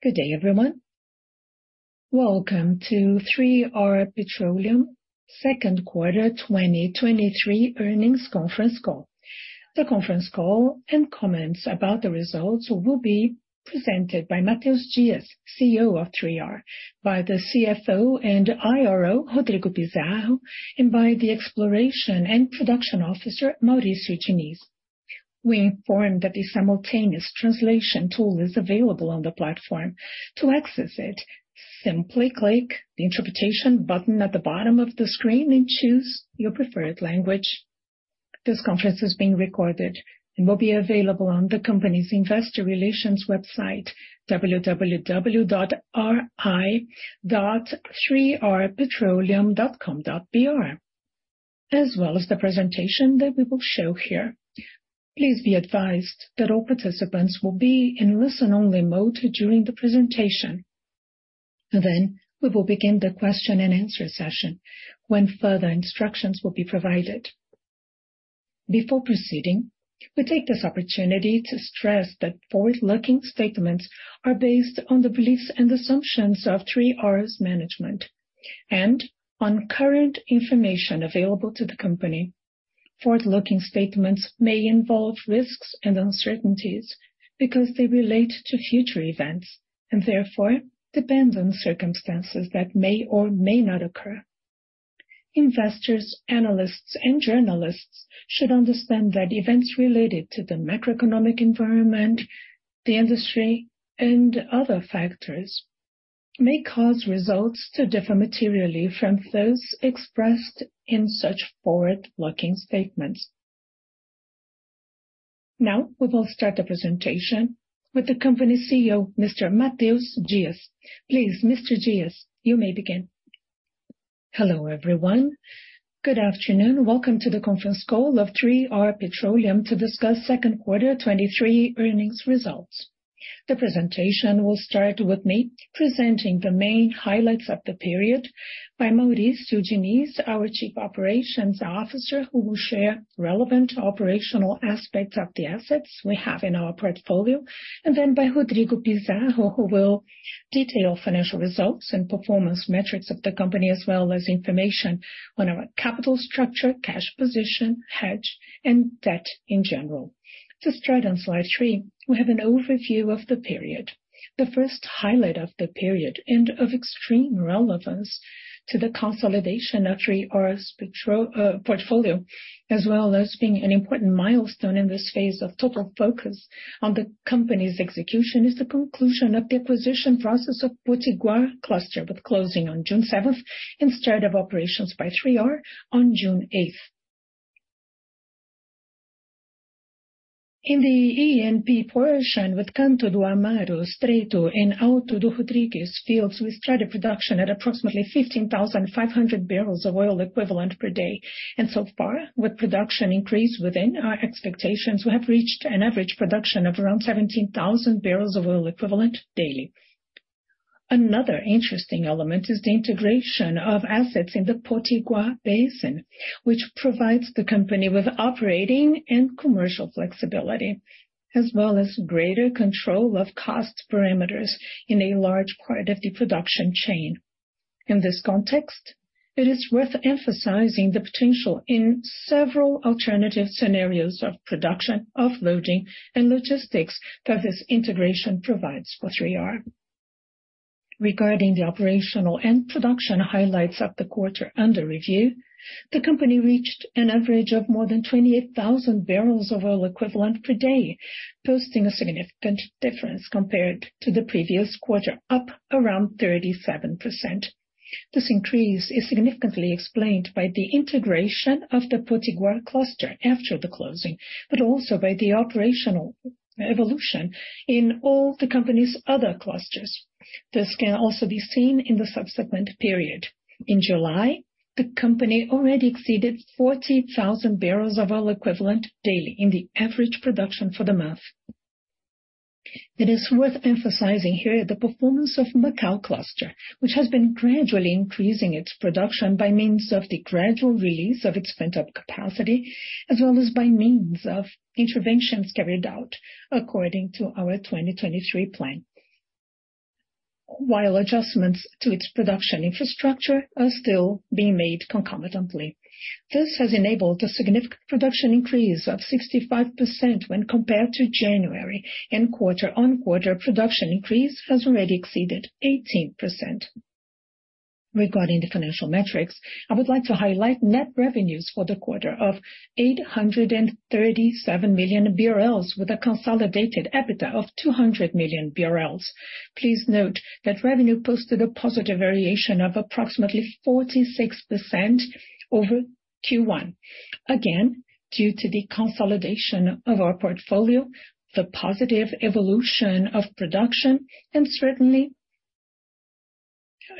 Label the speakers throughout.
Speaker 1: Good day, everyone. Welcome to 3R Petroleum Second Quarter 2023 Earnings Conference Call. The conference call and comments about the results will be presented by Mateus Dias, CEO of 3R, by the CFO and IRO, Rodrigo Pizarro, and by the Exploration and Production Officer, Mauricio Diniz. We inform that the simultaneous translation tool is available on the platform. To access it, simply click the Interpretation button at the bottom of the screen and choose your preferred language. This conference is being recorded and will be available on the company's investor relations website, www.ri.3rpetroleum.com.br, as well as the presentation that we will show here. Please be advised that all participants will be in listen-only mode during the presentation. We will begin the question-and-answer session, when further instructions will be provided. Before proceeding, we take this opportunity to stress that forward-looking statements are based on the beliefs and assumptions of 3R's management and on current information available to the company. Forward-looking statements may involve risks and uncertainties because they relate to future events, and therefore depend on circumstances that may or may not occur. Investors, analysts, and journalists should understand that events related to the macroeconomic environment, the industry, and other factors may cause results to differ materially from those expressed in such forward-looking statements. Now, we will start the presentation with the company's CEO, Mr. Mateus Dias. Please, Mr. Dias, you may begin.
Speaker 2: Hello, everyone. Good afternoon. Welcome to the conference call of 3R Petroleum to discuss second quarter 2023 earnings results. The presentation will start with me presenting the main highlights of the period by Mauricio Diniz, our Chief Operations Officer, who will share relevant operational aspects of the assets we have in our portfolio, and then by Rodrigo Pizarro, who will detail financial results and performance metrics of the company, as well as information on our capital structure, cash position, hedge, and debt in general. To start on slide three, we have an overview of the period. The first highlight of the period, and of extreme relevance to the consolidation of 3R's petro portfolio, as well as being an important milestone in this phase of total focus on the company's execution, is the conclusion of the acquisition process of Potiguar cluster, with closing on June 7th and start of operations by 3R on June 8th. In the E&P portion, with Canto do Amaro, Estreito, and Alto do Rodrigues fields, we started production at approximately 15,500 barrels of oil equivalent per day, and so far, with production increase within our expectations, we have reached an average production of around 17,000 barrels of oil equivalent daily. Another interesting element is the integration of assets in the Potiguar Basin, which provides the company with operating and commercial flexibility, as well as greater control of cost parameters in a large part of the production chain. In this context, it is worth emphasizing the potential in several alternative scenarios of production, offloading, and logistics that this integration provides for 3R. Regarding the operational and production highlights of the quarter under review, the company reached an average of more than 28,000 barrels of oil equivalent per day, posting a significant difference compared to the previous quarter, up around 37%. This increase is significantly explained by the integration of the Potiguar cluster after the closing, but also by the operational evolution in all the company's other clusters. This can also be seen in the subsequent period. In July, the company already exceeded 40,000 barrels of oil equivalent daily in the average production for the month. It is worth emphasizing here the performance of Macau cluster, which has been gradually increasing its production by means of the gradual release of its pent-up capacity, as well as by means of interventions carried out according to our 2023 plan. While adjustments to its production infrastructure are still being made concomitantly, this has enabled a significant production increase of 65% when compared to January, and quarter-over-quarter production increase has already exceeded 18%. Regarding the financial metrics, I would like to highlight net revenues for the quarter of 837 million BRL, with a consolidated EBITDA of 200 million BRL. Please note that revenue posted a positive variation of approximately 46% over Q1, again, due to the consolidation of our portfolio, the positive evolution of production, and certainly,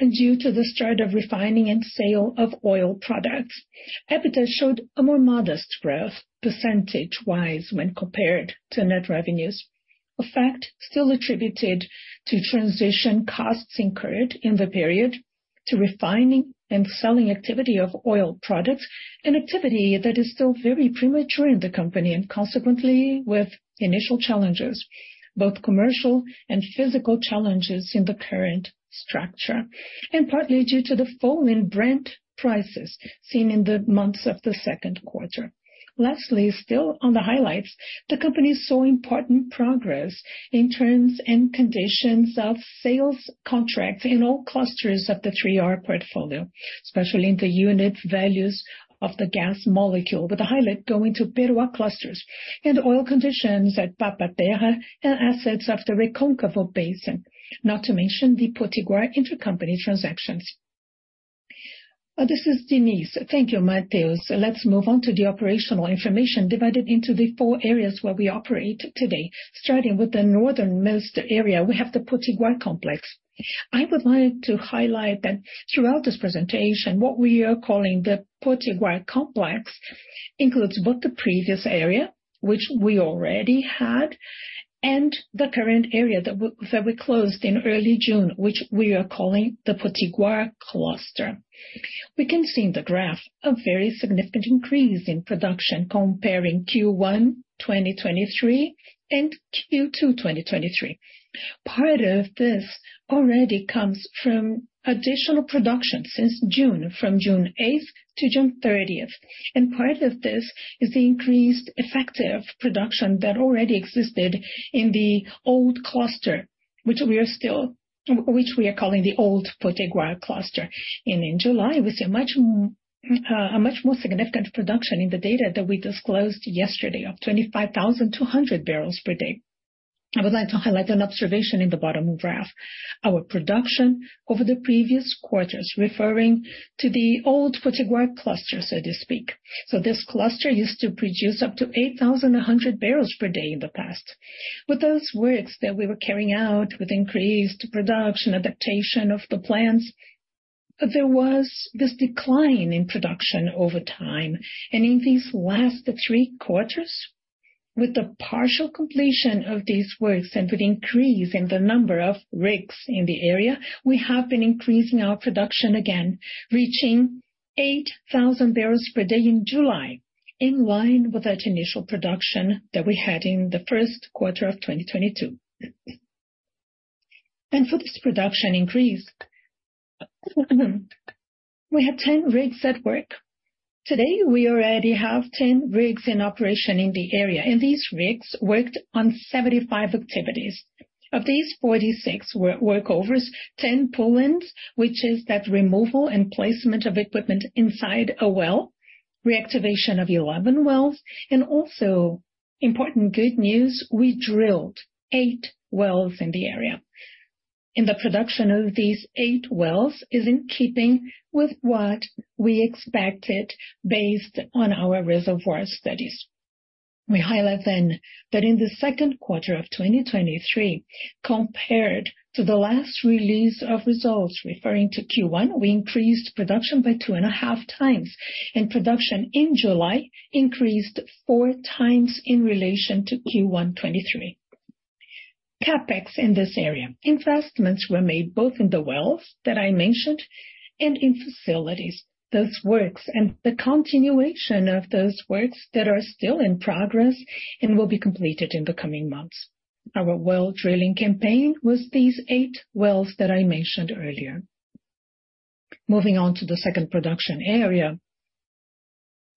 Speaker 2: and due to the start of refining and sale of oil products. EBITDA showed a more modest growth percentage-wise when compared to net revenues. A fact still attributed to transition costs incurred in the period. to refining and selling activity of oil products, an activity that is still very premature in the company, and consequently, with initial challenges, both commercial and physical challenges in the current structure, and partly due to the fall in Brent prices seen in the months of the second quarter. Lastly, still on the highlights, the company saw important progress in terms and conditions of sales contracts in all clusters of the 3R portfolio, especially in the unit values of the gas molecule, with the highlight going to Peroá clusters and oil conditions at Papa-Terra and assets of the Recôncavo Basin, not to mention the Potiguar intercompany transactions.
Speaker 3: This is Diniz. Thank you, Mateus. Let's move on to the operational information divided into the four areas where we operate today. Starting with the northernmost area, we have the Potiguar complex. I would like to highlight that throughout this presentation, what we are calling the Potiguar complex includes both the previous area, which we already had, and the current area that we closed in early June, which we are calling the Potiguar cluster. We can see in the graph a very significant increase in production comparing Q1 2023 and Q2 2023. Part of this already comes from additional production since June, from June eighth to June thirtieth, and part of this is the increased effective production that already existed in the old cluster, which we are calling the old Potiguar cluster. In July, we see a much, a much more significant production in the data that we disclosed yesterday of 25,200 barrels per day. I would like to highlight an observation in the bottom graph. Our production over the previous quarters, referring to the old Potiguar cluster, so to speak. This cluster used to produce up to 8,100 barrels per day in the past. With those works that we were carrying out, with increased production, adaptation of the plants, there was this decline in production over time. In these last three quarters, with the partial completion of these works and with increase in the number of rigs in the area, we have been increasing our production again, reaching 8,000 barrels per day in July, in line with that initial production that we had in the first quarter of 2022. For this production increase, we had 10 rigs at work. Today, we already have 10 rigs in operation in the area, and these rigs worked on 75 activities. Of these 46 workovers, 10 pulling, which is that removal and placement of equipment inside a well, reactivation of 11 wells. Also important good news, we drilled eight wells in the area. The production of these eight wells is in keeping with what we expected based on our reservoir studies. We highlight then, that in the second quarter of 2023, compared to the last release of results referring to Q1, we increased production by two and a half times, and production in July increased four times in relation to Q1 twenty-three. CapEx in this area, investments were made both in the wells that I mentioned and in facilities. Those works and the continuation of those works that are still in progress and will be completed in the coming months. Our well drilling campaign was these eight wells that I mentioned earlier. Moving on to the second production area,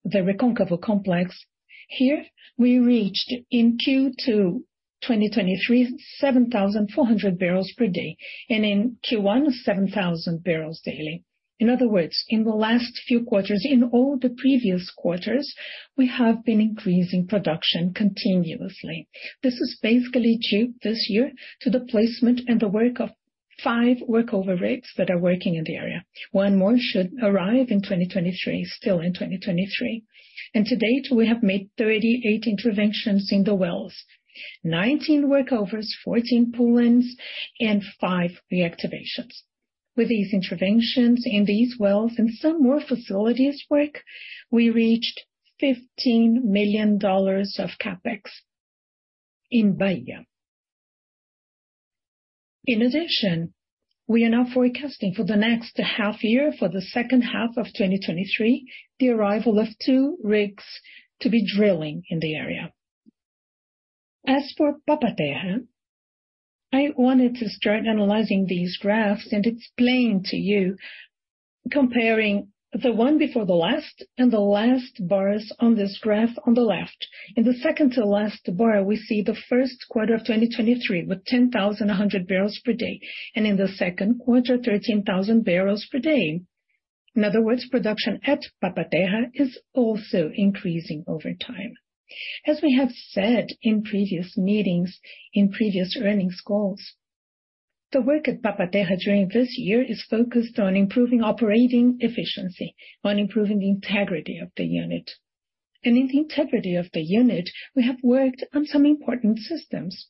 Speaker 3: the Recôncavo complex. Here, we reached in Q2 2023, 7,400 barrels per day, and in Q1, 7,000 barrels daily. In other words, in the last few quarters, in all the previous quarters, we have been increasing production continuously.
Speaker 2: This is basically due this year to the placement and the work of five workover rates that are working in the area. One more should arrive in 2023, still in 2023. To date, we have made 38 interventions in the wells, 19 workovers, 14 pulling, and five reactivations. With these interventions in these wells and some more facilities work, we reached $15 million of CapEx in Bahia. In addition, we are now forecasting for the next half year, for the second half of 2023, the arrival of two rigs to be drilling in the area.
Speaker 3: As for Papa-Terra, I wanted to start analyzing these graphs and explain to you, comparing the one before the last and the last bars on this graph on the left. In the second to last bar, we see the first quarter of 2023, with 10,100 barrels per day, and in the second quarter, 13,000 barrels per day. In other words, production at Papa-Terra is also increasing over time. As we have said in previous meetings, in previous earnings calls, the work at Papa-Terra during this year is focused on improving operating efficiency, on improving the integrity of the unit. In the integrity of the unit, we have worked on some important systems,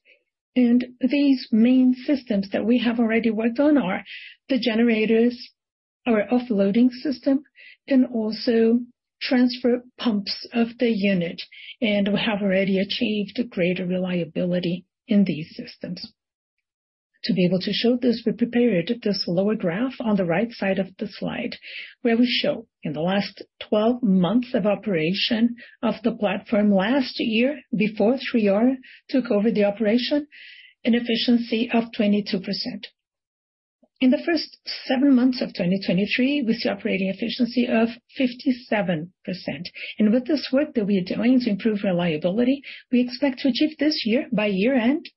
Speaker 3: and these main systems that we have already worked on are the generators, our offloading system, and also transfer pumps of the unit. We have already achieved greater reliability in these systems. To be able to show this, we prepared this lower graph on the right side of the slide, where we show in the last 12 months of operation of the platform last year, before 3R took over the operation, an efficiency of 22%. In the first 7 months of 2023, we see operating efficiency of 57%. With this work that we are doing to improve reliability, we expect to achieve this year, by year-end,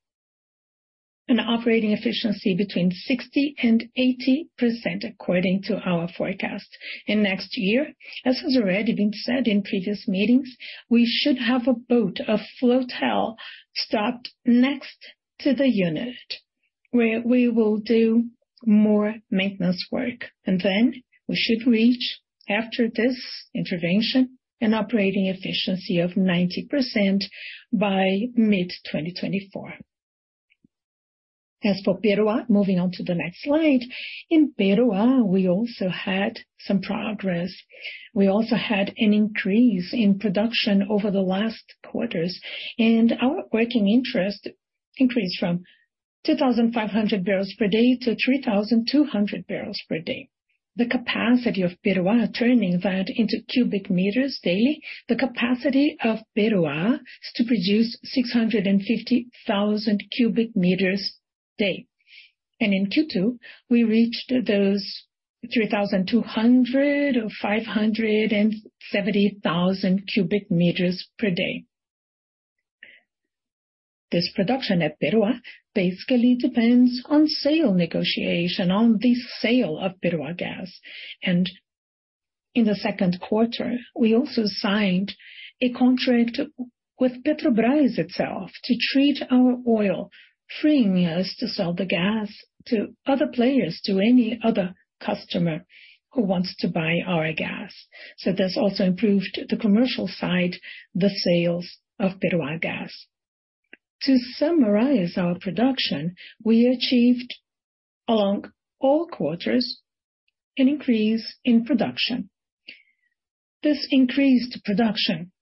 Speaker 3: an operating efficiency between 60% and 80%, according to our forecast. Next year, as has already been said in previous meetings, we should have a boat, a flotel, stopped next to the unit, where we will do more maintenance work. We should reach, after this intervention, an operating efficiency of 90% by mid-2024. As for Peroá, moving on to the next slide. In Peroá, we also had some progress. We also had an increase in production over the last quarters, and our working interest increased from 2,500 barrels per day to 3,200 barrels per day. The capacity of Peroá, turning that into cubic meters daily, the capacity of Peroá is to produce 650,000 cubic meters a day, and in Q2, we reached those 3,200 or 570,000 cubic meters per day. This production at Peroá basically depends on sale negotiation, on the sale of Peroá gas. In the second quarter, we also signed a contract with Petrobras itself to treat our oil, freeing us to sell the gas to other players, to any other customer who wants to buy our gas. This also improved the commercial side, the sales of Peroá gas. To summarize our production, we achieved, along all quarters, an increase in production. This increased production,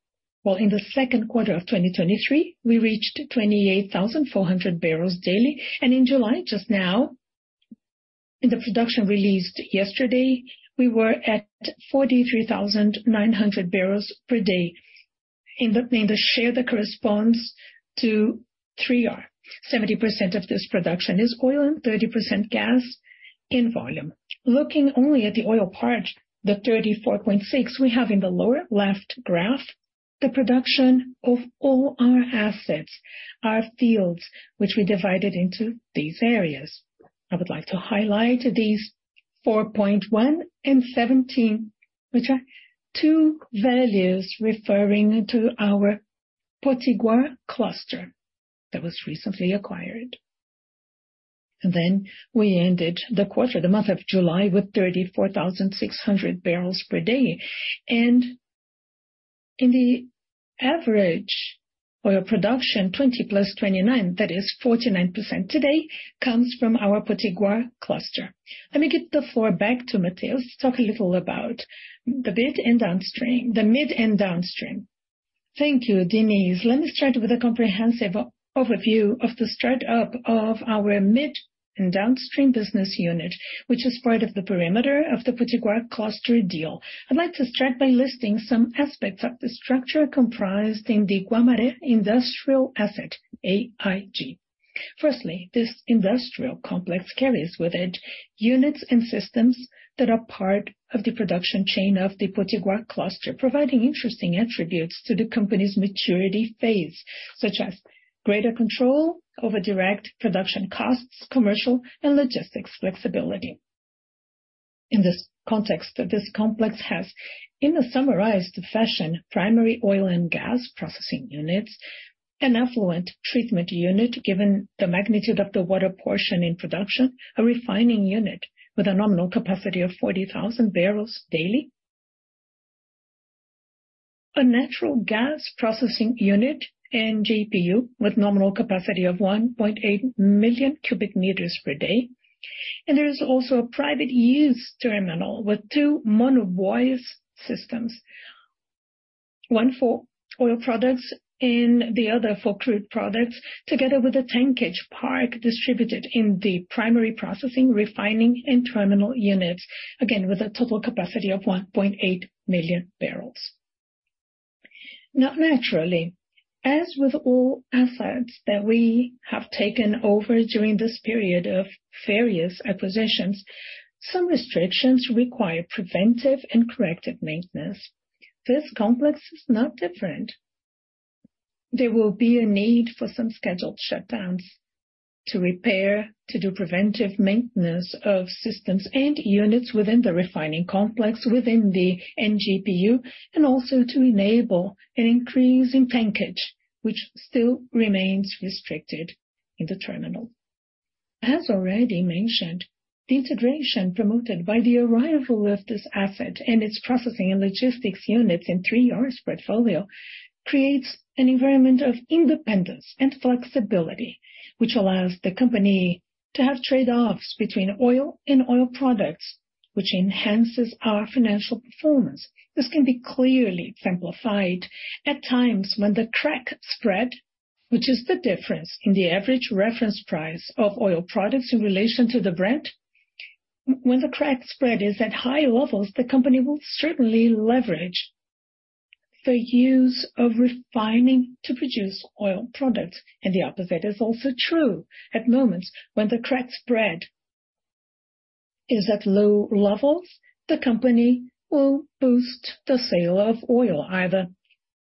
Speaker 3: well, in the second quarter of 2023, we reached 28,400 barrels daily, and in July, just now, in the production released yesterday, we were at 43,900 barrels per day. In the share that corresponds to 3R, 70% of this production is oil and 30% gas in volume. Looking only at the oil part, the 34.6, we have in the lower left graph, the production of all our assets, our fields, which we divided into these areas. I would like to highlight these 4.1 and 17, which are two values referring to our Potiguar cluster that was recently acquired. Then we ended the quarter, the month of July, with 34,600 barrels per day. In the average oil production, 20 plus 29, that is 49% today, comes from our Potiguar cluster. Let me give the floor back to Mateus to talk a little about the mid and downstream, the mid and downstream.
Speaker 2: Thank you, Diniz. Let me start with a comprehensive overview of the start up of our mid and downstream business unit, which is part of the perimeter of the Potiguar cluster deal. I'd like to start by listing some aspects of the structure comprised in the Guamaré industrial asset, AIG. Firstly, this industrial complex carries with it units and systems that are part of the production chain of the Potiguar cluster, providing interesting attributes to the company's maturity phase, such as greater control over direct production costs, commercial and logistics flexibility. In this context, this complex has, in a summarized fashion, primary oil and gas processing units, an effluent treatment unit, given the magnitude of the water portion in production, a refining unit with a nominal capacity of 40,000 barrels daily, a natural gas processing unit and GPU with nominal capacity of 1.8 million cubic meers per day, and there is also a private use terminal with two monobuoy systems, one for oil products and the other for crude products, together with a tankage park distributed in the primary processing, refining and terminal units, again, with a total capacity of 1.8 million barrels. Now, naturally, as with all assets that we have taken over during this period of various acquisitions, some restrictions require preventive and corrective maintenance. This complex is not different. There will be a need for some scheduled shutdowns to repair, to do preventive maintenance of systems and units within the refining complex, within the NGPU, and also to enable an increase in tankage, which still remains restricted in the terminal. As already mentioned, the integration promoted by the arrival of this asset and its processing and logistics units in 3R's portfolio, creates an environment of independence and flexibility, which allows the company to have trade-offs between oil and oil products, which enhances our financial performance. This can be clearly exemplified at times when the crack spread, which is the difference in the average reference price of oil products in relation to the Brent. When the crack spread is at high levels, the company will certainly leverage the use of refining to produce oil products, and the opposite is also true. At moments when the crack spread is at low levels, the company will boost the sale of oil, either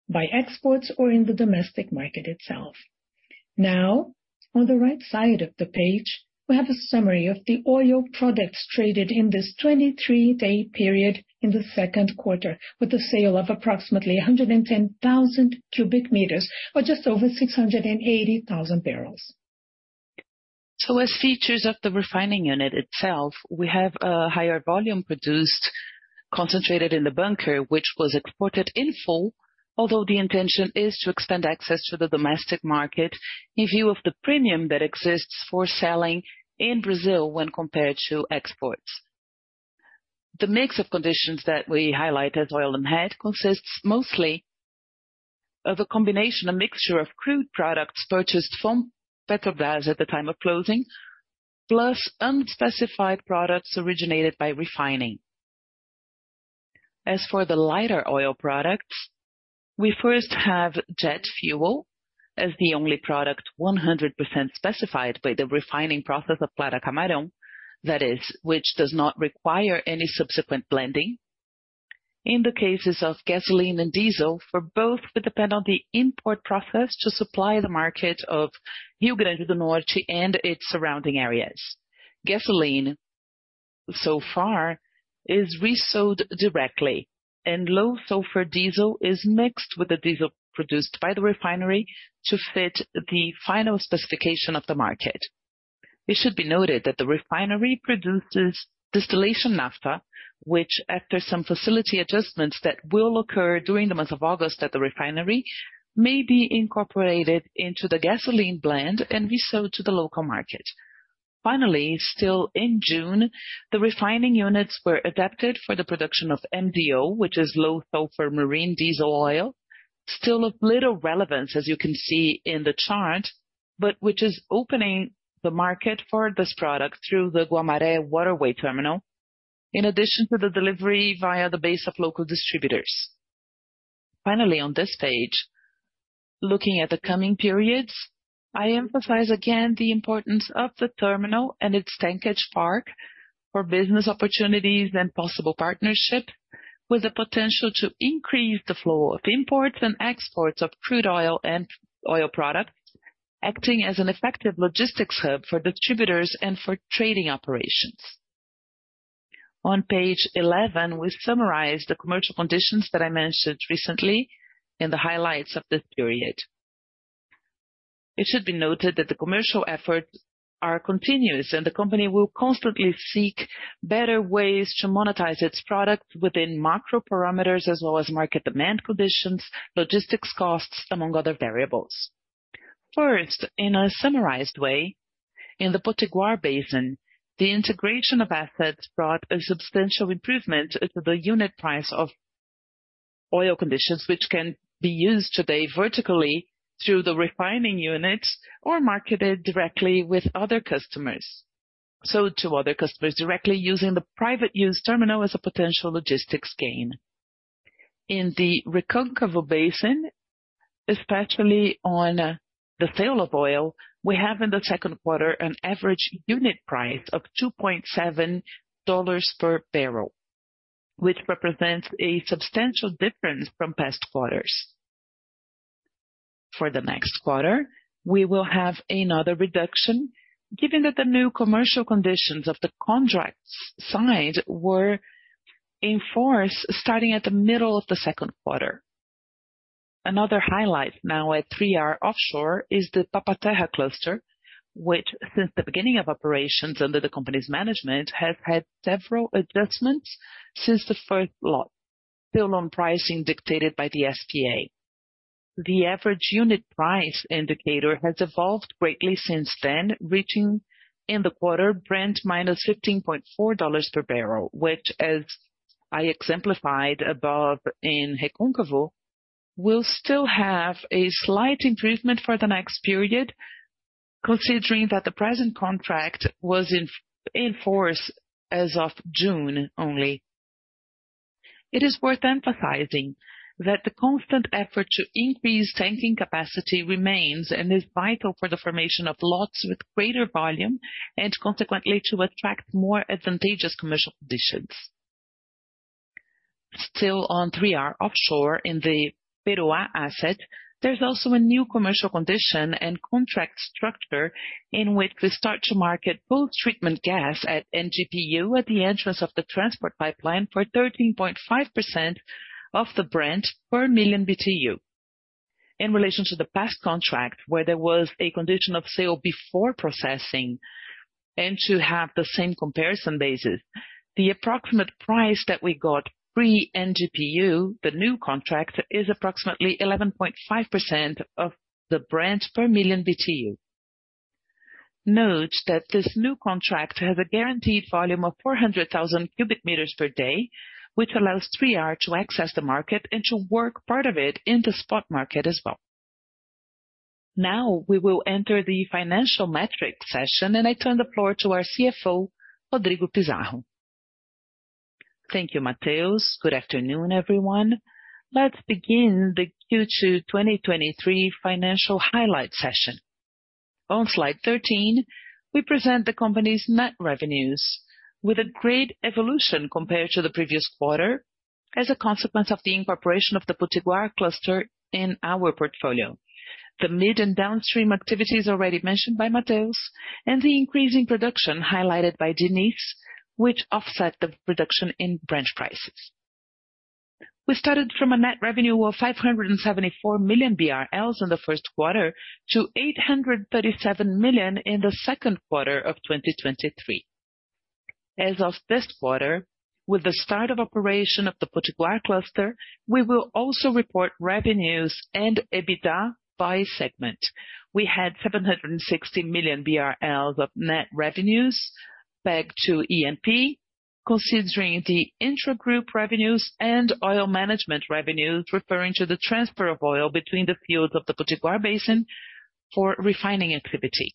Speaker 2: by exports or in the domestic market itself. Now, on the right side of the page, we have a summary of the oil products traded in this 23-day period in the second quarter, with a sale of approximately 110,000 cubic meters, or just over 680,000 barrels. As features of the refining unit itself, we have a higher volume produced, concentrated in the bunker, which was exported in full, although the intention is to expand access to the domestic market, in view of the premium that exists for selling in Brazil when compared to exports. The mix of conditions that we highlight as oil and head, consists mostly of a combination, a mixture of crude products purchased from Petrobras at the time of closing, plus unspecified products originated by refining. As for the lighter oil products, we first have jet fuel as the only product 100% specified by the refining process of Clara Camarão, that is, which does not require any subsequent blending. In the cases of gasoline and diesel, for both to depend on the import process to supply the market of Rio Grande do Norte and its surrounding areas. Gasoline, so far, is resold directly, and low sulfur diesel is mixed with the diesel produced by the refinery to fit the final specification of the market. It should be noted that the refinery produces distillation naphtha, which, after some facility adjustments that will occur during the month of August at the refinery, may be incorporated into the gasoline blend and resold to the local market. Finally, still in June, the refining units were adapted for the production of MDO, which is low sulfur marine diesel oil. Still of little relevance, as you can see in the chart, but which is opening the market for this product through the Guamaré Waterway Terminal, in addition to the delivery via the base of local distributors. Finally, on this page, looking at the coming periods, I emphasize again the importance of the terminal and its tankage park for business opportunities and possible partnership, with the potential to increase the flow of imports and exports of crude oil and oil products, acting as an effective logistics hub for distributors and for trading operations. On page 11, we summarize the commercial conditions that I mentioned recently in the highlights of this period. It should be noted that the commercial efforts are continuous, the company will constantly seek better ways to monetize its products within macro parameters, as well as market demand conditions, logistics costs, among other variables. First, in a summarized way, in the Potiguar Basin, the integration of assets brought a substantial improvement to the unit price of oil conditions, which can be used today vertically through the refining units or marketed directly with other customers. To other customers, directly using the private use terminal as a potential logistics gain. In the Recôncavo Basin, especially on the sale of oil, we have in the second quarter an average unit price of $2.7 per barrel, which represents a substantial difference from past quarters. For the next quarter, we will have another reduction, given that the new commercial conditions of the contracts signed were in force starting at the middle of the second quarter. Another highlight now at 3R Offshore, is the Papa-Terra cluster, which, since the beginning of operations under the company's management, has had several adjustments since the first lot, still on pricing dictated by the SPA. The average unit price indicator has evolved greatly since then, reaching in the quarter Brent minus $15.4 per barrel, which, as I exemplified above in Recôncavo, will still have a slight improvement for the next period, considering that the present contract was in force as of June only. It is worth emphasizing that the constant effort to increase tanking capacity remains and is vital for the formation of lots with greater volume, and consequently, to attract more advantageous commercial conditions. Still on 3R Offshore in the Peroá asset, there's also a new commercial condition and contract structure, in which we start to market full treatment gas at NGPU at the entrance of the transport pipeline for 13.5% of the Brent per million BTU. In relation to the past contract, where there was a condition of sale before processing and to have the same comparison basis. The approximate price that we got pre-NGPU, the new contract, is approximately 11.5% of the Brent per million BTU. Note that this new contract has a guaranteed volume of 400,000 cubic meters per day, which allows 3R to access the market and to work part of it in the spot market as well. Now, we will enter the financial metrics session, and I turn the floor to our CFO, Rodrigo Pizarro.
Speaker 4: Thank you, Mateus. Good afternoon, everyone. Let's begin the Q2 2023 financial highlight session. On slide 13, we present the company's net revenues with a great evolution compared to the previous quarter, as a consequence of the incorporation of the Potiguar cluster in our portfolio. The mid and downstream activities already mentioned by Mateus, the increase in production highlighted by Diniz, which offset the reduction in Brent prices. We started from a net revenue of 574 million BRL in the first quarter to 837 million in the second quarter of 2023. As of this quarter, with the start of operation of the Potiguar cluster, we will also report revenues and EBITDA by segment. We had 760 million BRL of net revenues back to E&P, considering the intragroup revenues and oil management revenues, referring to the transfer of oil between the fields of the Potiguar Basin for refining activity.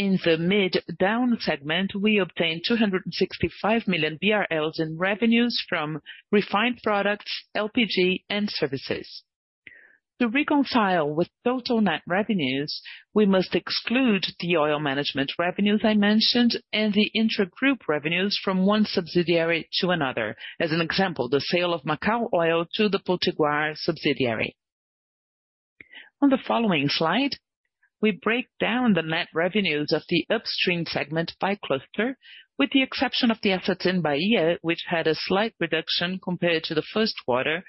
Speaker 4: In the mid down segment, we obtained 265 million BRL in revenues from refined products, LPG and services. To reconcile with total net revenues, we must exclude the oil management revenues I mentioned and the intragroup revenues from one subsidiary to another. As an example, the sale of Macau oil to the Potiguar subsidiary. On the following slide, we break down the net revenues of the upstream segment by cluster, with the exception of the assets in Bahia, which had a slight reduction compared to the first quarter.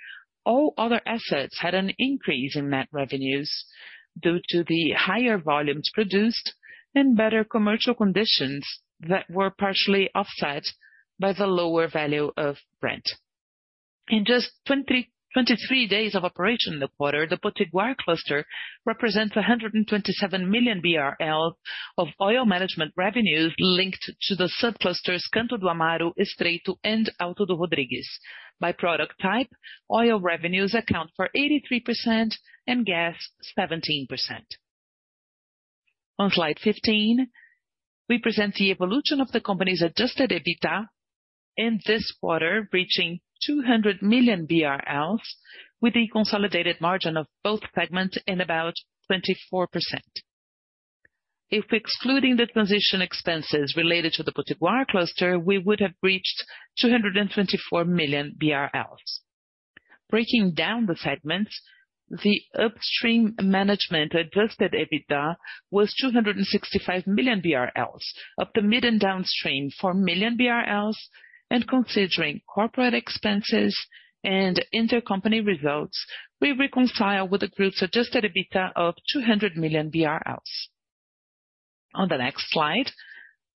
Speaker 4: All other assets had an increase in net revenues due to the higher volumes produced and better commercial conditions that were partially offset by the lower value of Brent. In just 23 days of operation in the quarter, the Potiguar cluster represents 127 million BRL of oil management revenues linked to the subclusters Canto do Amaro, Estreito, and Alto do Rodrigues. By product type, oil revenues account for 83% and gas, 17%. On slide 15, we present the evolution of the company's adjusted EBITDA in this quarter, reaching 200 million BRL, with the consolidated margin of both segments in about 24%. If excluding the transition expenses related to the Potiguar cluster, we would have reached 224 million BRL. Breaking down the segments, the upstream management adjusted EBITDA was 265 million BRL. Of the mid and downstream, 4 million BRL, and considering corporate expenses and intercompany results, we reconcile with a group's adjusted EBITDA of 200 million BRL. On the next slide,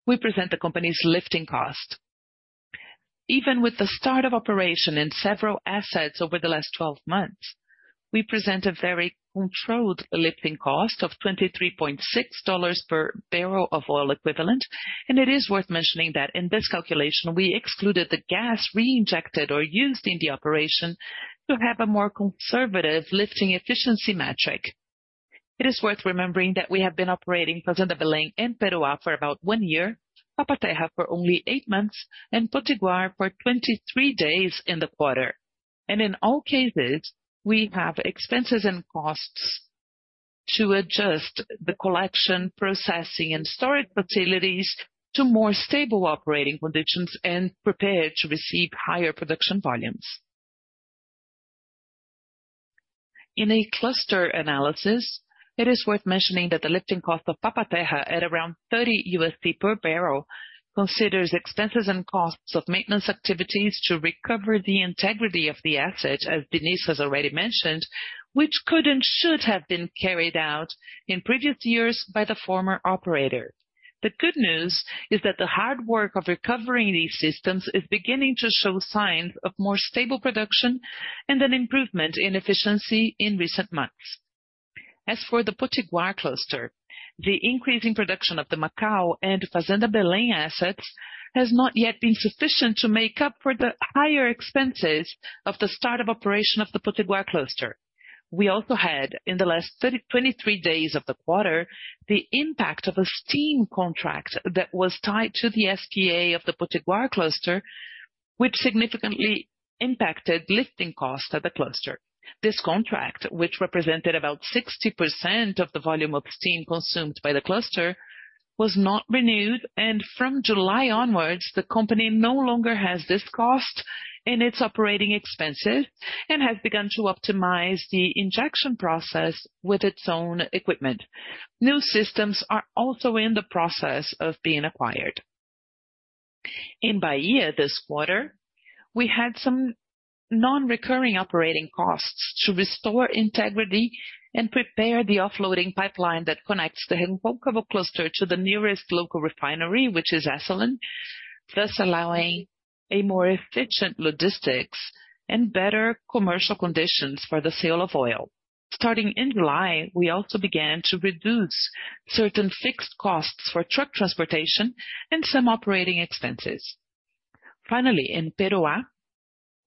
Speaker 4: we present the company's lifting cost. Even with the start of operation in several assets over the last 12 months, we present a very controlled lifting cost of $23.6 per barrel of oil equivalent. It is worth mentioning that in this calculation, we excluded the gas reinjected or used in the operation to have a more conservative lifting efficiency metric. It is worth remembering that we have been operating Fazenda Belém in Peru for about one year, Papa-Terra for only eight months, and Potiguar for 23 days in the quarter. In all cases, we have expenses and costs to adjust the collection, processing, and storage facilities to more stable operating conditions and prepare to receive higher production volumes. In a cluster analysis, it is worth mentioning that the lifting cost of Papa-Terra at around $30 per barrel, considers expenses and costs of maintenance activities to recover the integrity of the asset, as Diniz has already mentioned, which could and should have been carried out in previous years by the former operator. The good news is that the hard work of recovering these systems is beginning to show signs of more stable production and an improvement in efficiency in recent months. As for the Potiguar cluster, the increase in production of the Macau and Fazenda Belém assets has not yet been sufficient to make up for the higher expenses of the start of operation of the Potiguar cluster. We also had, in the last 23 days of the quarter, the impact of a steam contract that was tied to the SDA of the Potiguar cluster, which significantly impacted lifting costs at the cluster. This contract, which represented about 60% of the volume of steam consumed by the cluster, was not renewed, and from July onwards, the company no longer has this cost in its operating expenses and has begun to optimize the injection process with its own equipment. New systems are also in the process of being acquired. In Bahia this quarter, we had nonrecurring operating costs to restore integrity and prepare the offloading pipeline that connects the Recôncavo cluster to the nearest local refinery, which is Acelen, thus allowing a more efficient logistics and better commercial conditions for the sale of oil. Starting in July, we also began to reduce certain fixed costs for truck transportation and some operating expenses. Finally, in Peroá,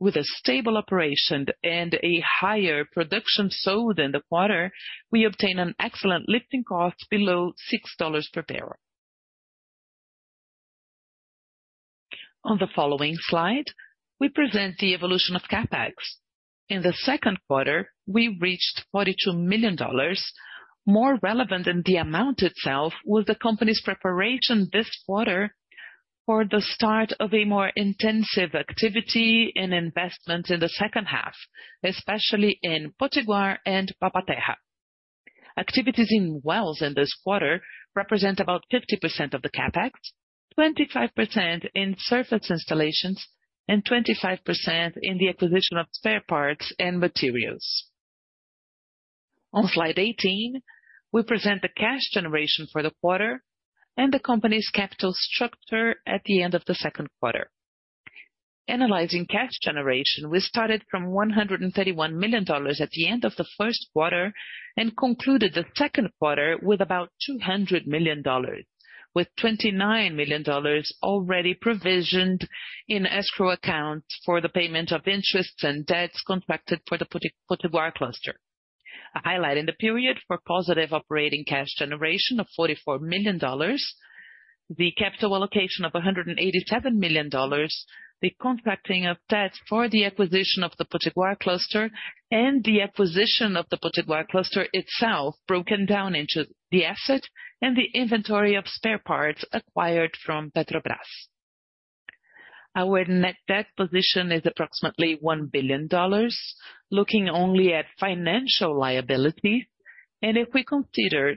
Speaker 4: with a stable operation and a higher production sold in the quarter, we obtained an excellent lifting cost below $6 per barrel. On the following slide, we present the evolution of CapEx. In the second quarter, we reached $42 million. More relevant than the amount itself, was the company's preparation this quarter for the start of a more intensive activity and investment in the second half, especially in Potiguar and Papa-Terra. Activities in wells in this quarter represent about 50% of the CapEx, 25% in surface installations, and 25% in the acquisition of spare parts and materials. On slide 18, we present the cash generation for the quarter and the company's capital structure at the end of the second quarter. Analyzing cash generation, we started from $131 million at the end of the first quarter, concluded the second quarter with about $200 million, with $29 million already provisioned in escrow accounts for the payment of interests and debts contracted for the Potiguar cluster. I highlight in the period for positive operating cash generation of $44 million, the capital allocation of $187 million, the contracting of debt for the acquisition of the Potiguar cluster, and the acquisition of the Potiguar cluster itself, broken down into the asset and the inventory of spare parts acquired from Petrobras. Our net debt position is approximately $1 billion, looking only at financial liability, and if we consider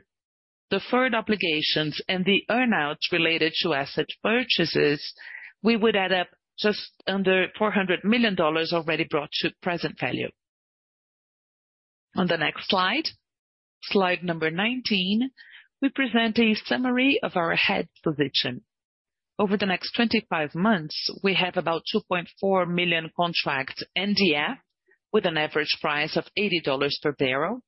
Speaker 4: deferred obligations and the earn-outs related to asset purchases, we would add up just under $400 million already brought to present value. On the next slide, slide number 19, we present a summary of our hedge position. Over the next 25 months, we have about 2.4 million contracts NDA, with an average price of $80 per barrel,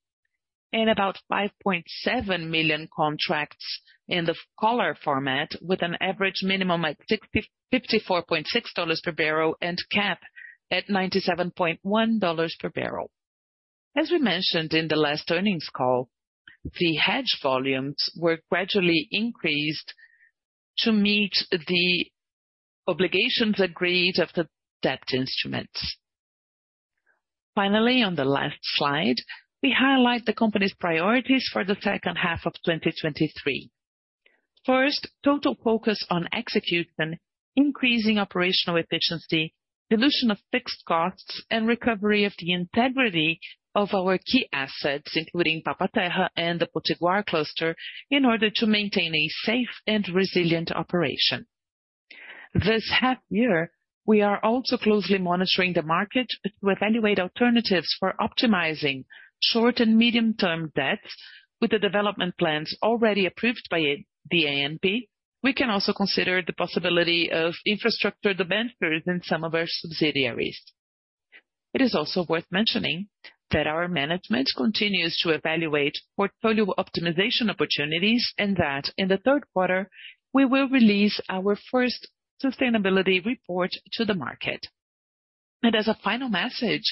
Speaker 4: and about 5.7 million contracts in the collar format, with an average minimum at $54.6 per barrel, and cap at $97.1 per barrel. As we mentioned in the last earnings call, the hedge volumes were gradually increased to meet the obligations agreed of the debt instruments. Finally, on the last slide, we highlight the company's priorities for the second half of 2023. First, total focus on execution, increasing operational efficiency, dilution of fixed costs, and recovery of the integrity of our key assets, including Papa-Terra and the Potiguar cluster, in order to maintain a safe and resilient operation. This half year, we are also closely monitoring the market to evaluate alternatives for optimizing short and medium-term debts. With the development plans already approved by the ANP, we can also consider the possibility of infrastructure debentures in some of our subsidiaries. It is also worth mentioning that our management continues to evaluate portfolio optimization opportunities, and that in the third quarter, we will release our first sustainability report to the market. As a final message,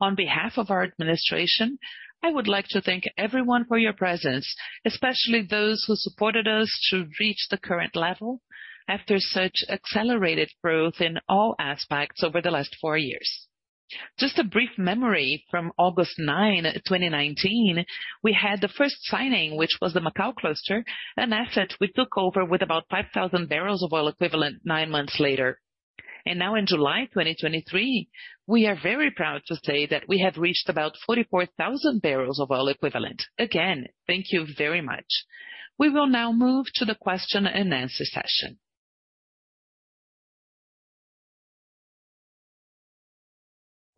Speaker 4: on behalf of our administration, I would like to thank everyone for your presence, especially those who supported us to reach the current level after such accelerated growth in all aspects over the last four years. Just a brief memory from 9 August 2019, we had the first signing, which was the Macau cluster, an asset we took over with about 5,000 barrels of oil equivalent nine months later. Now in July 2023, we are very proud to say that we have reached about 44,000 barrels of oil equivalent. Again, thank you very much. We will now move to the question and answer session.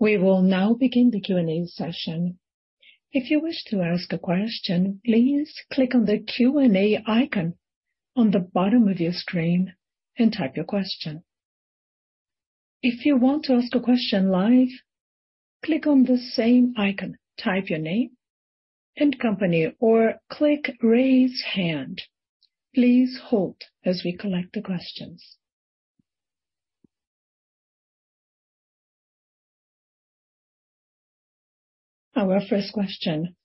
Speaker 1: We will now begin the Q&A session. If you wish to ask a question, please click on the Q&A icon on the bottom of your screen and type your question. If you want to ask a question live, click on the same icon, type your name and company, or click Raise Hand. Please hold as we collect the questions. Our first question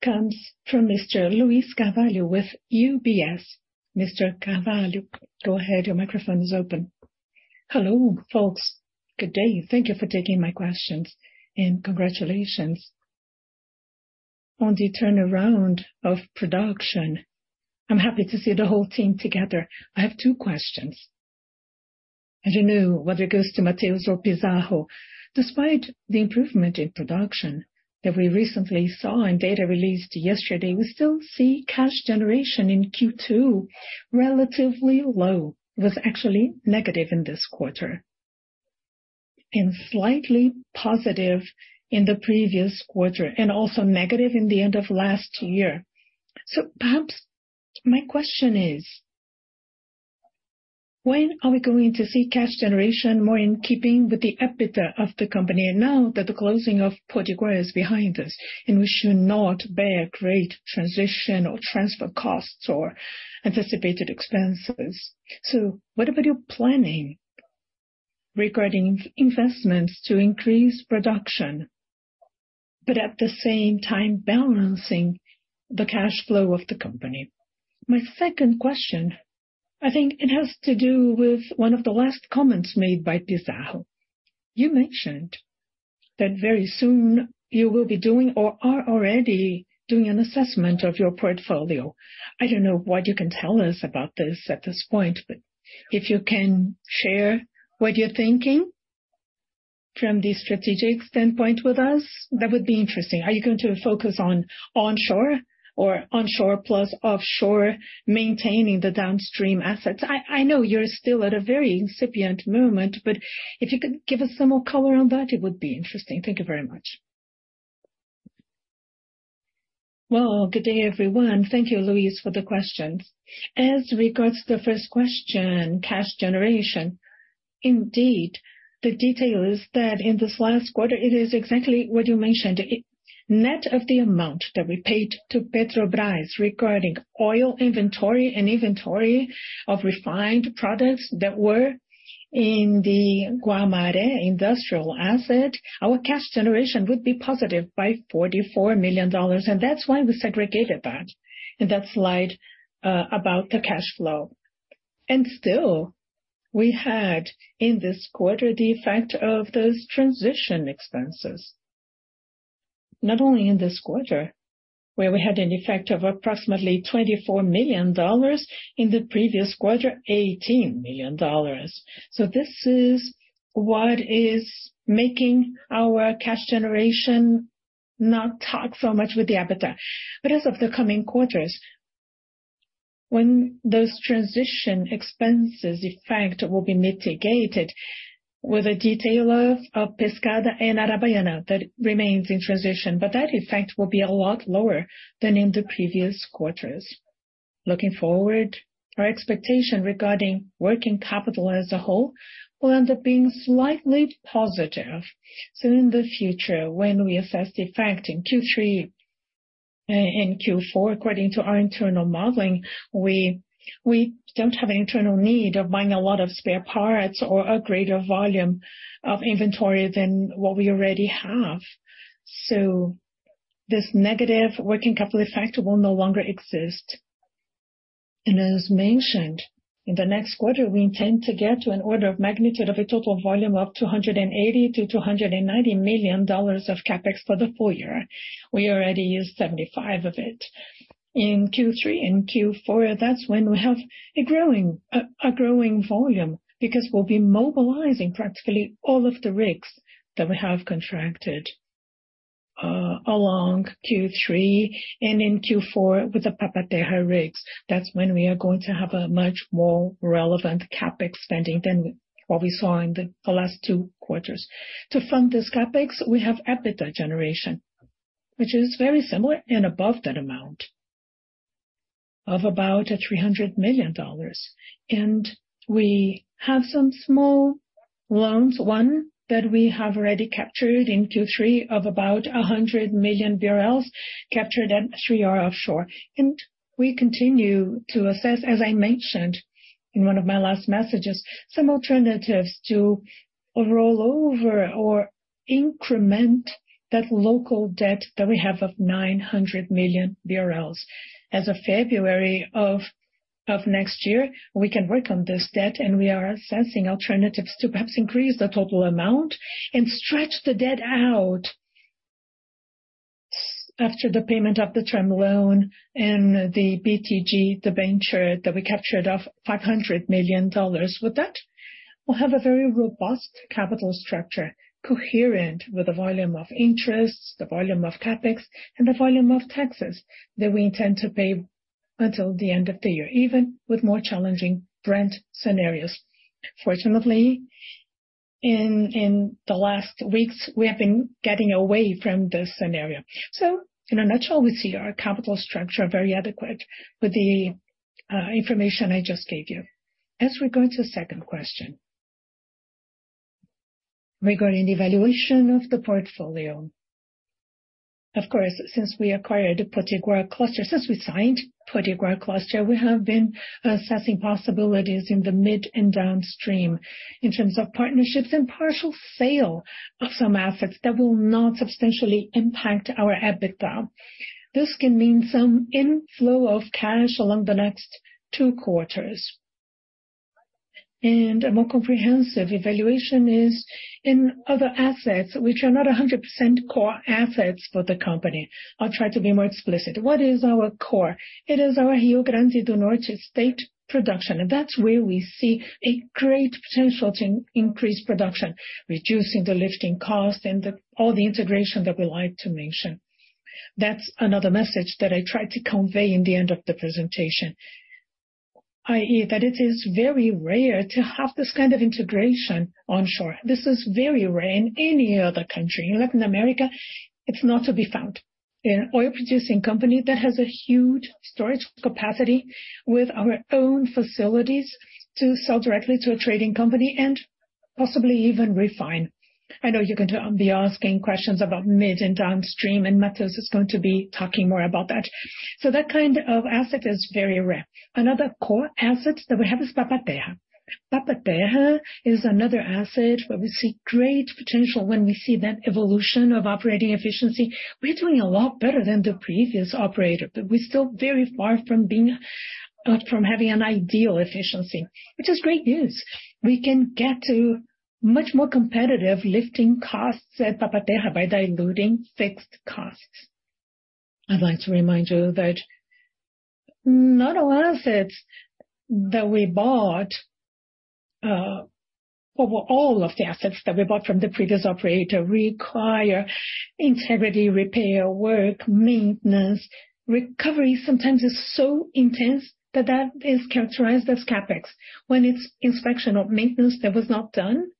Speaker 1: comes from Mr. Luiz Carvalho with UBS. Mr. Carvalho, go ahead. Your microphone is open.
Speaker 5: Hello, folks. Good day. Thank you for taking my questions. Congratulations on the turnaround of production. I'm happy to see the whole team together. I have two questions. I don't know whether it goes to Mateus or Pizarro. Despite the improvement in production that we recently saw in data released yesterday, we still see cash generation in Q2 relatively low. It was actually negative in this quarter, and slightly positive in the previous quarter, and also negative in the end of last year. Perhaps my question is, when are we going to see cash generation more in keeping with the EBITDA of the company? Now that the closing of Potiguar is behind us, and we should not bear great transition or transfer costs or anticipated expenses. What about your planning regarding investments to increase production, but at the same time balancing the cash flow of the company? My second question, I think it has to do with one of the last comments made by Pizarro. You mentioned that very soon you will be doing, or are already doing an assessment of your portfolio. I don't know what you can tell us about this at this point, but if you can share what you're thinking from the strategic standpoint with us, that would be interesting. Are you going to focus on onshore or onshore plus offshore, maintaining the downstream assets? I know you're still at a very incipient moment, but if you could give us some more color on that, it would be interesting. Thank you very much. Well, good day, everyone.
Speaker 3: Thank you, Louise, for the questions. As regards to the first question, cash generation, indeed, the detail is that in this last quarter, it is exactly what you mentioned. Net of the amount that we paid to Petrobras regarding oil inventory and inventory of refined products that were in the Guamaré industrial asset, our cash generation would be positive by $44 million. That's why we segregated that in that slide about the cash flow. Still, we had, in this quarter, the effect of those transition expenses. Not only in this quarter, where we had an effect of approximately $24 million, in the previous quarter, $18 million. This is what is making our cash generation not talk so much with the EBITDA. As of the coming quarters, when those transition expenses effect will be mitigated with a detail of, of Pescada and Arabaiana, that remains in transition. That effect will be a lot lower than in the previous quarters. Looking forward, our expectation regarding working capital as a whole will end up being slightly positive. In the future, when we assess the effect in Q3 and Q4, according to our internal modeling, we don't have an internal need of buying a lot of spare parts or a greater volume of inventory than what we already have. This negative working capital effect will no longer exist. As mentioned, in the next quarter, we intend to get to an order of magnitude of a total volume of $280 million to $290 million of CapEx for the full year. We already used $75 million of it. In Q3 and Q4, that's when we have a growing, a growing volume, because we'll be mobilizing practically all of the rigs that we have contracted, along Q3 and in Q4 with the Papa-Terra rigs. That's when we are going to have a much more relevant CapEx spending than what we saw in the last two quarters. To fund this CapEx, we have EBITDA generation, which is very similar and above that amount of about $300 million. We have some small loans, one that we have already captured in Q3, of about 100 million barrels, captured at 3R Offshore. We continue to assess, as I mentioned in one of my last messages, some alternatives to roll over or increment that local debt that we have of 900 million barrels. As of February of next year, we can work on this debt. We are assessing alternatives to perhaps increase the total amount and stretch the debt out after the payment of the term loan and the BTG, the venture that we captured of $500 million. With that, we'll have a very robust capital structure, coherent with the volume of interests, the volume of CapEx, and the volume of taxes that we intend to pay until the end of the year, even with more challenging Brent scenarios. Fortunately, in the last weeks, we have been getting away from this scenario. In a nutshell, we see our capital structure very adequate with the information I just gave you. We go to the second question regarding the evaluation of the portfolio. Of course, since we acquired Potiguar cluster, since we signed Potiguar cluster, we have been assessing possibilities in the mid and downstream in terms of partnerships and partial sale of some assets that will not substantially impact our EBITDA. This can mean some inflow of cash along the next two quarters. A more comprehensive evaluation is in other assets, which are not 100% core assets for the company. I'll try to be more explicit. What is our core? It is our Rio Grande do Norte state production, and that's where we see a great potential to increase production, reducing the lifting cost and the, all the integration that we like to mention. That's another message that I tried to convey in the end of the presentation, i.e., that it is very rare to have this kind of integration onshore. This is very rare in any other country. In Latin America, it's not to be found, in an oil-producing company that has a huge storage capacity with our own facilities to sell directly to a trading company and possibly even refine. I know you're going to be asking questions about mid and downstream, and Mateus is going to be talking more about that. That kind of asset is very rare. Another core asset that we have is Papa-Terra. Papa-Terra is another asset where we see great potential when we see that evolution of operating efficiency. We're doing a lot better than the previous operator. We're still very far from being from having an ideal efficiency, which is great news. We can get to much more competitive lifting costs at Papa-Terra by diluting fixed costs. I'd like to remind you that not all assets that we bought, or all of the assets that we bought from the previous operator require integrity, repair, work, maintenance. Recovery sometimes is so intense that that is characterized as CapEx. When it's inspection or maintenance that was not done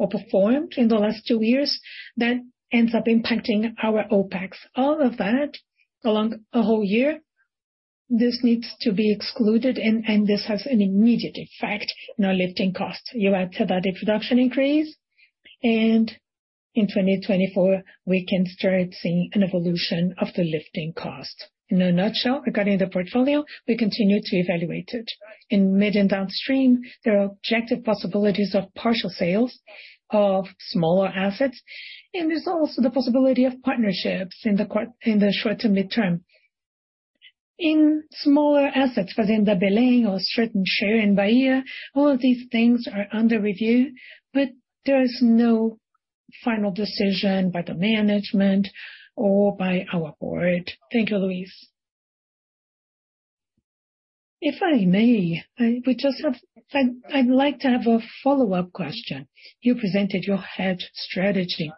Speaker 3: or performed in the last two years, that ends up impacting our OpEx. All of that, along a whole year, this needs to be excluded, and this has an immediate effect in our lifting costs. You add to that a production increase, and in 2024, we can start seeing an evolution of the lifting cost. In a nutshell, regarding the portfolio, we continue to evaluate it. In mid and downstream, there are objective possibilities of partial sales of smaller assets, and there's also the possibility of partnerships in the short to mid-term. In smaller assets, but in the Belém or Estreito and Share in Bahia, all of these things are under review, but there's no final decision by the management or by our board.
Speaker 6: Thank you, Diniz. If I may, I'd like to have a follow-up question. You presented your hedge strategy.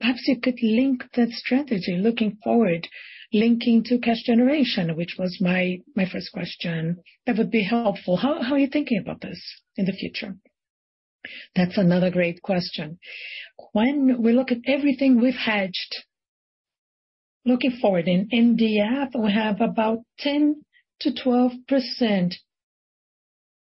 Speaker 6: Perhaps you could link that strategy looking forward, linking to cash generation, which was my first question. That would be helpful. How are you thinking about this in the future? That's another great question.
Speaker 3: When we look at everything we've hedged, looking forward, in NDF, we have about 10%-12%,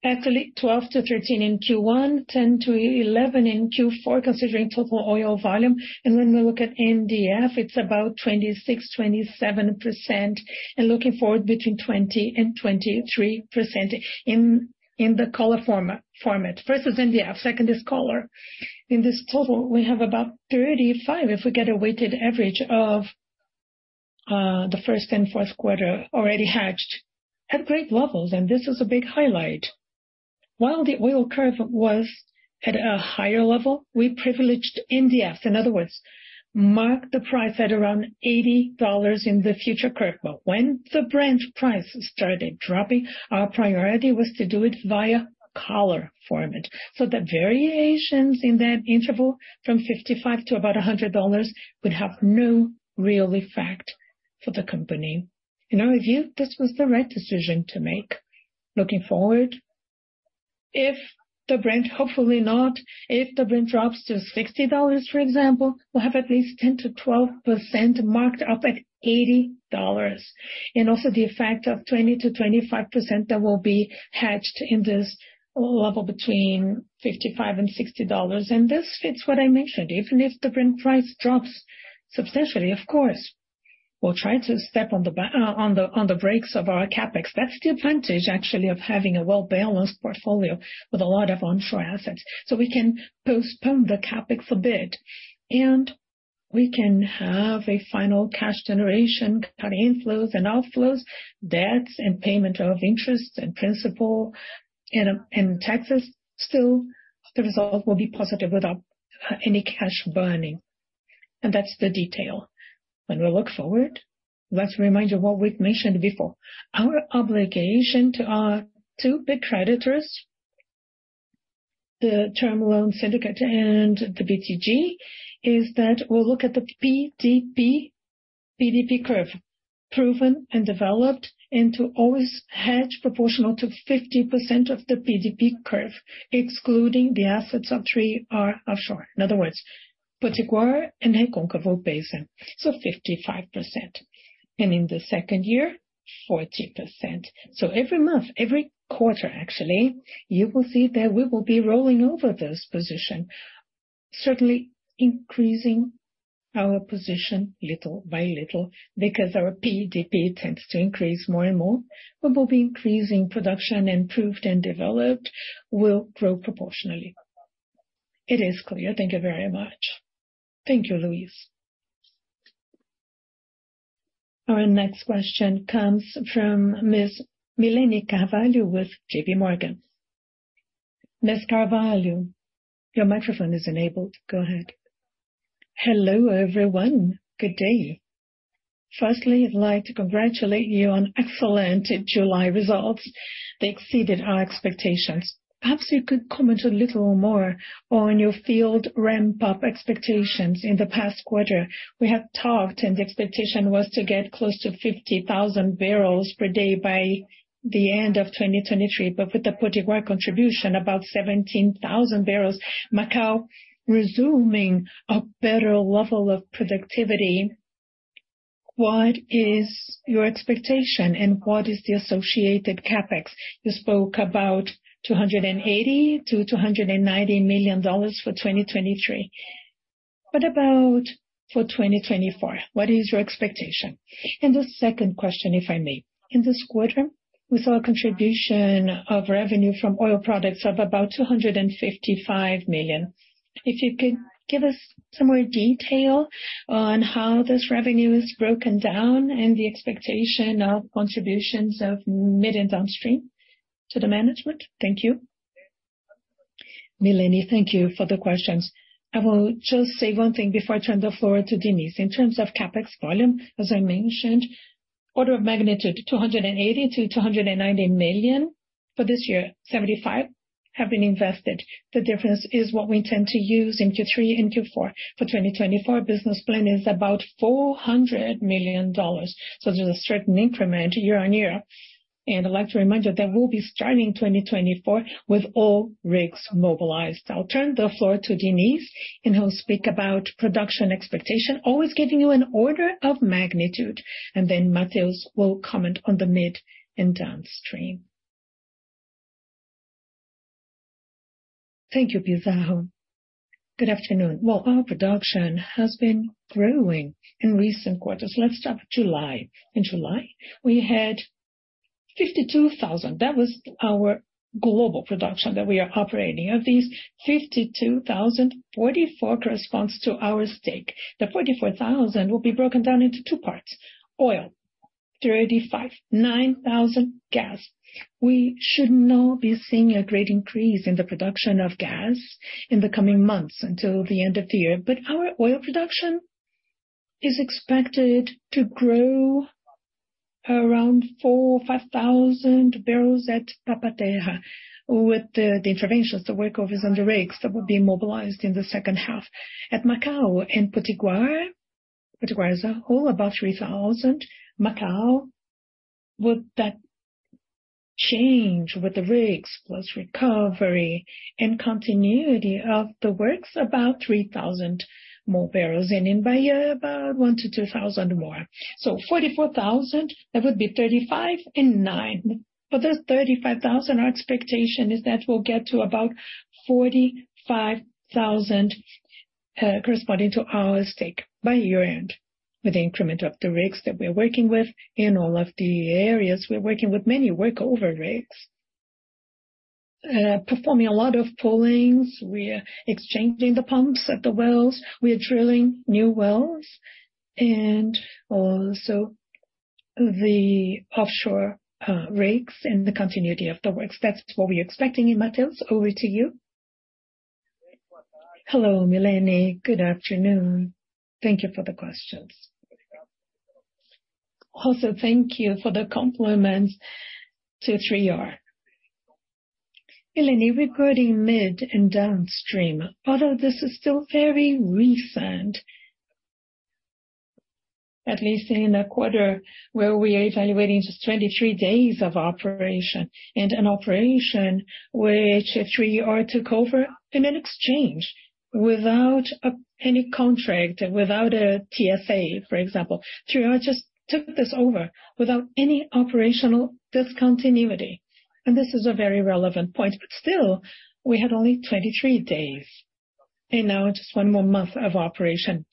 Speaker 3: actually 12%-13% in Q1, 10%-11% in Q4, considering total oil volume. When we look at NDF, it's about 26%-27%, and looking forward, between 20% and 23% in the collar format. First is NDF, second is collar. In this total, we have about 35, if we get a weighted average of the first and fourth quarter already hedged at great levels. This is a big highlight. While the oil curve was at a higher level, we privileged NDF. In other words, mark the price at around $80 in the future curve. When the Brent price started dropping, our priority was to do it via collar format. The variations in that interval from $55-$100 would have no real effect for the company. In our view, this was the right decision to make. Looking forward, if the Brent, hopefully not, if the Brent drops to $60, for example, we'll have at least 10%-12% marked up at $80, and also the effect of 20%-25% that will be hedged in this level between $55 and $60. This fits what I mentioned, even if the Brent price drops substantially, of course, we'll try to step on the brakes of our CapEx. That's the advantage, actually, of having a well-balanced portfolio with a lot of onshore assets. We can postpone the CapEx a bit, and we can have a final cash generation, cutting inflows and outflows, debts and payment of interest and principal, and, and taxes. Still, the result will be positive without any cash burning, and that's the detail. When we look forward, let's remind you what we've mentioned before. Our obligation to our two big creditors, the term loan syndicate and the BTG, is that we'll look at the PDP, PDP curve, proven and developed, and to always hedge proportional to 50% of the PDP curve, excluding the assets of 3R Offshore. In other words, Potiguar and Recôncavo Basin, 55%, and in the 2nd year, 40%. Every month, every quarter, actually, you will see that we will be rolling over this position, certainly increasing our position little by little, because our PDP tends to increase more and more. We will be increasing production, and proved and developed will grow proportionally. It is clear.
Speaker 5: Thank you very much.
Speaker 3: Thank you, Luiz.
Speaker 1: Our next question comes from Ms. Milene Carvalho with JPMorgan. Ms. Carvalho, your microphone is enabled. Go ahead. Hello, everyone.
Speaker 7: Good day. Firstly, I'd like to congratulate you on excellent July results. They exceeded our expectations. Perhaps you could comment a little more on your field ramp-up expectations. In the past quarter, we have talked, and the expectation was to get close to 50,000 barrels per day by the end of 2023, but with the Potiguar contribution, about 17,000 barrels, Macau resuming a better level of productivity. What is your expectation, and what is the associated CapEx? You spoke about $280 million to $290 million for 2023. What about for 2024? What is your expectation? The second question, if I may. In this quarter, we saw a contribution of revenue from oil products of about $255 million. If you could give us some more detail on how this revenue is broken down and the expectation of contributions of mid and downstream to the management.
Speaker 4: Thank you. Milene, thank you for the questions. I will just say one thing before I turn the floor to Diniz. In terms of CapEx volume, as I mentioned, order of magnitude, $280 million to $290 million for this year, $75 have been invested. The difference is what we tend to use in Q3 and Q4. For 2024, business plan is about $400 million, there's a certain increment year-on-year. I'd like to remind you that we'll be starting 2024 with all rigs mobilized. I'll turn the floor to Diniz, and he'll speak about production expectation, always giving you an order of magnitude. Then Mateus will comment on the mid and downstream.
Speaker 3: Thank you, Pizarro. Good afternoon. Well, our production has been growing in recent quarters. Let's start with July. In July, we had 52,000. That was our global production that we are operating. Of these 52,000, 44 corresponds to our stake. The 44,000 will be broken down into two parts: Oil, 35,000, 9,000, gas. We should now be seeing a great increase in the production of gas in the coming months until the end of the year, but our oil production is expected to grow around 4,000 or 5,000 barrels at Papa-Terra with the interventions, the workovers on the rigs that will be mobilized in the second half. At Macau and Potiguar, Potiguar as a whole, about 3,000. Macau, with that change, with the rigs, plus recovery and continuity of the works, about 3,000 more barrels, and in Bahia, about 1,000-2,000 more. 44,000, that would be 35 and 9. For the 35,000, our expectation is that we'll get to about 45,000 corresponding to our stake by year-end, with the increment of the rigs that we're working with in all of the areas. We're working with many workover rigs performing a lot of pullings. We are exchanging the pumps at the wells. We are drilling new wells and also the offshore rigs and the continuity of the works. That's what we're expecting. Mateus, over to you.
Speaker 2: Hello, Milene. Good afternoon. Thank you for the questions.
Speaker 7: Also, thank you for the compliments to 3R.
Speaker 2: Milene, regarding mid and downstream, although this is still very recent, at least in a quarter where we are evaluating just 23 days of operation. An operation which 3R took over in an exchange without any contract, without a TSA, for example. 3R just took this over without any operational discontinuity. This is a very relevant point. Still, we had only 23 days, and now just one more month of operation.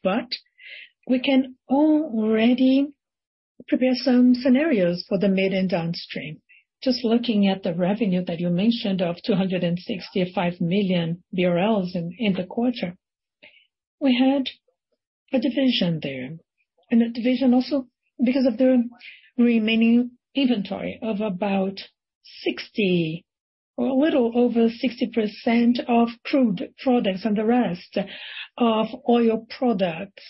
Speaker 2: We can already prepare some scenarios for the mid and downstream. Just looking at the revenue that you mentioned of 265 million barrels in the quarter, we had a division there, and a division also because of the remaining inventory of about 60% or a little over 60% of crude products and the rest of oil products.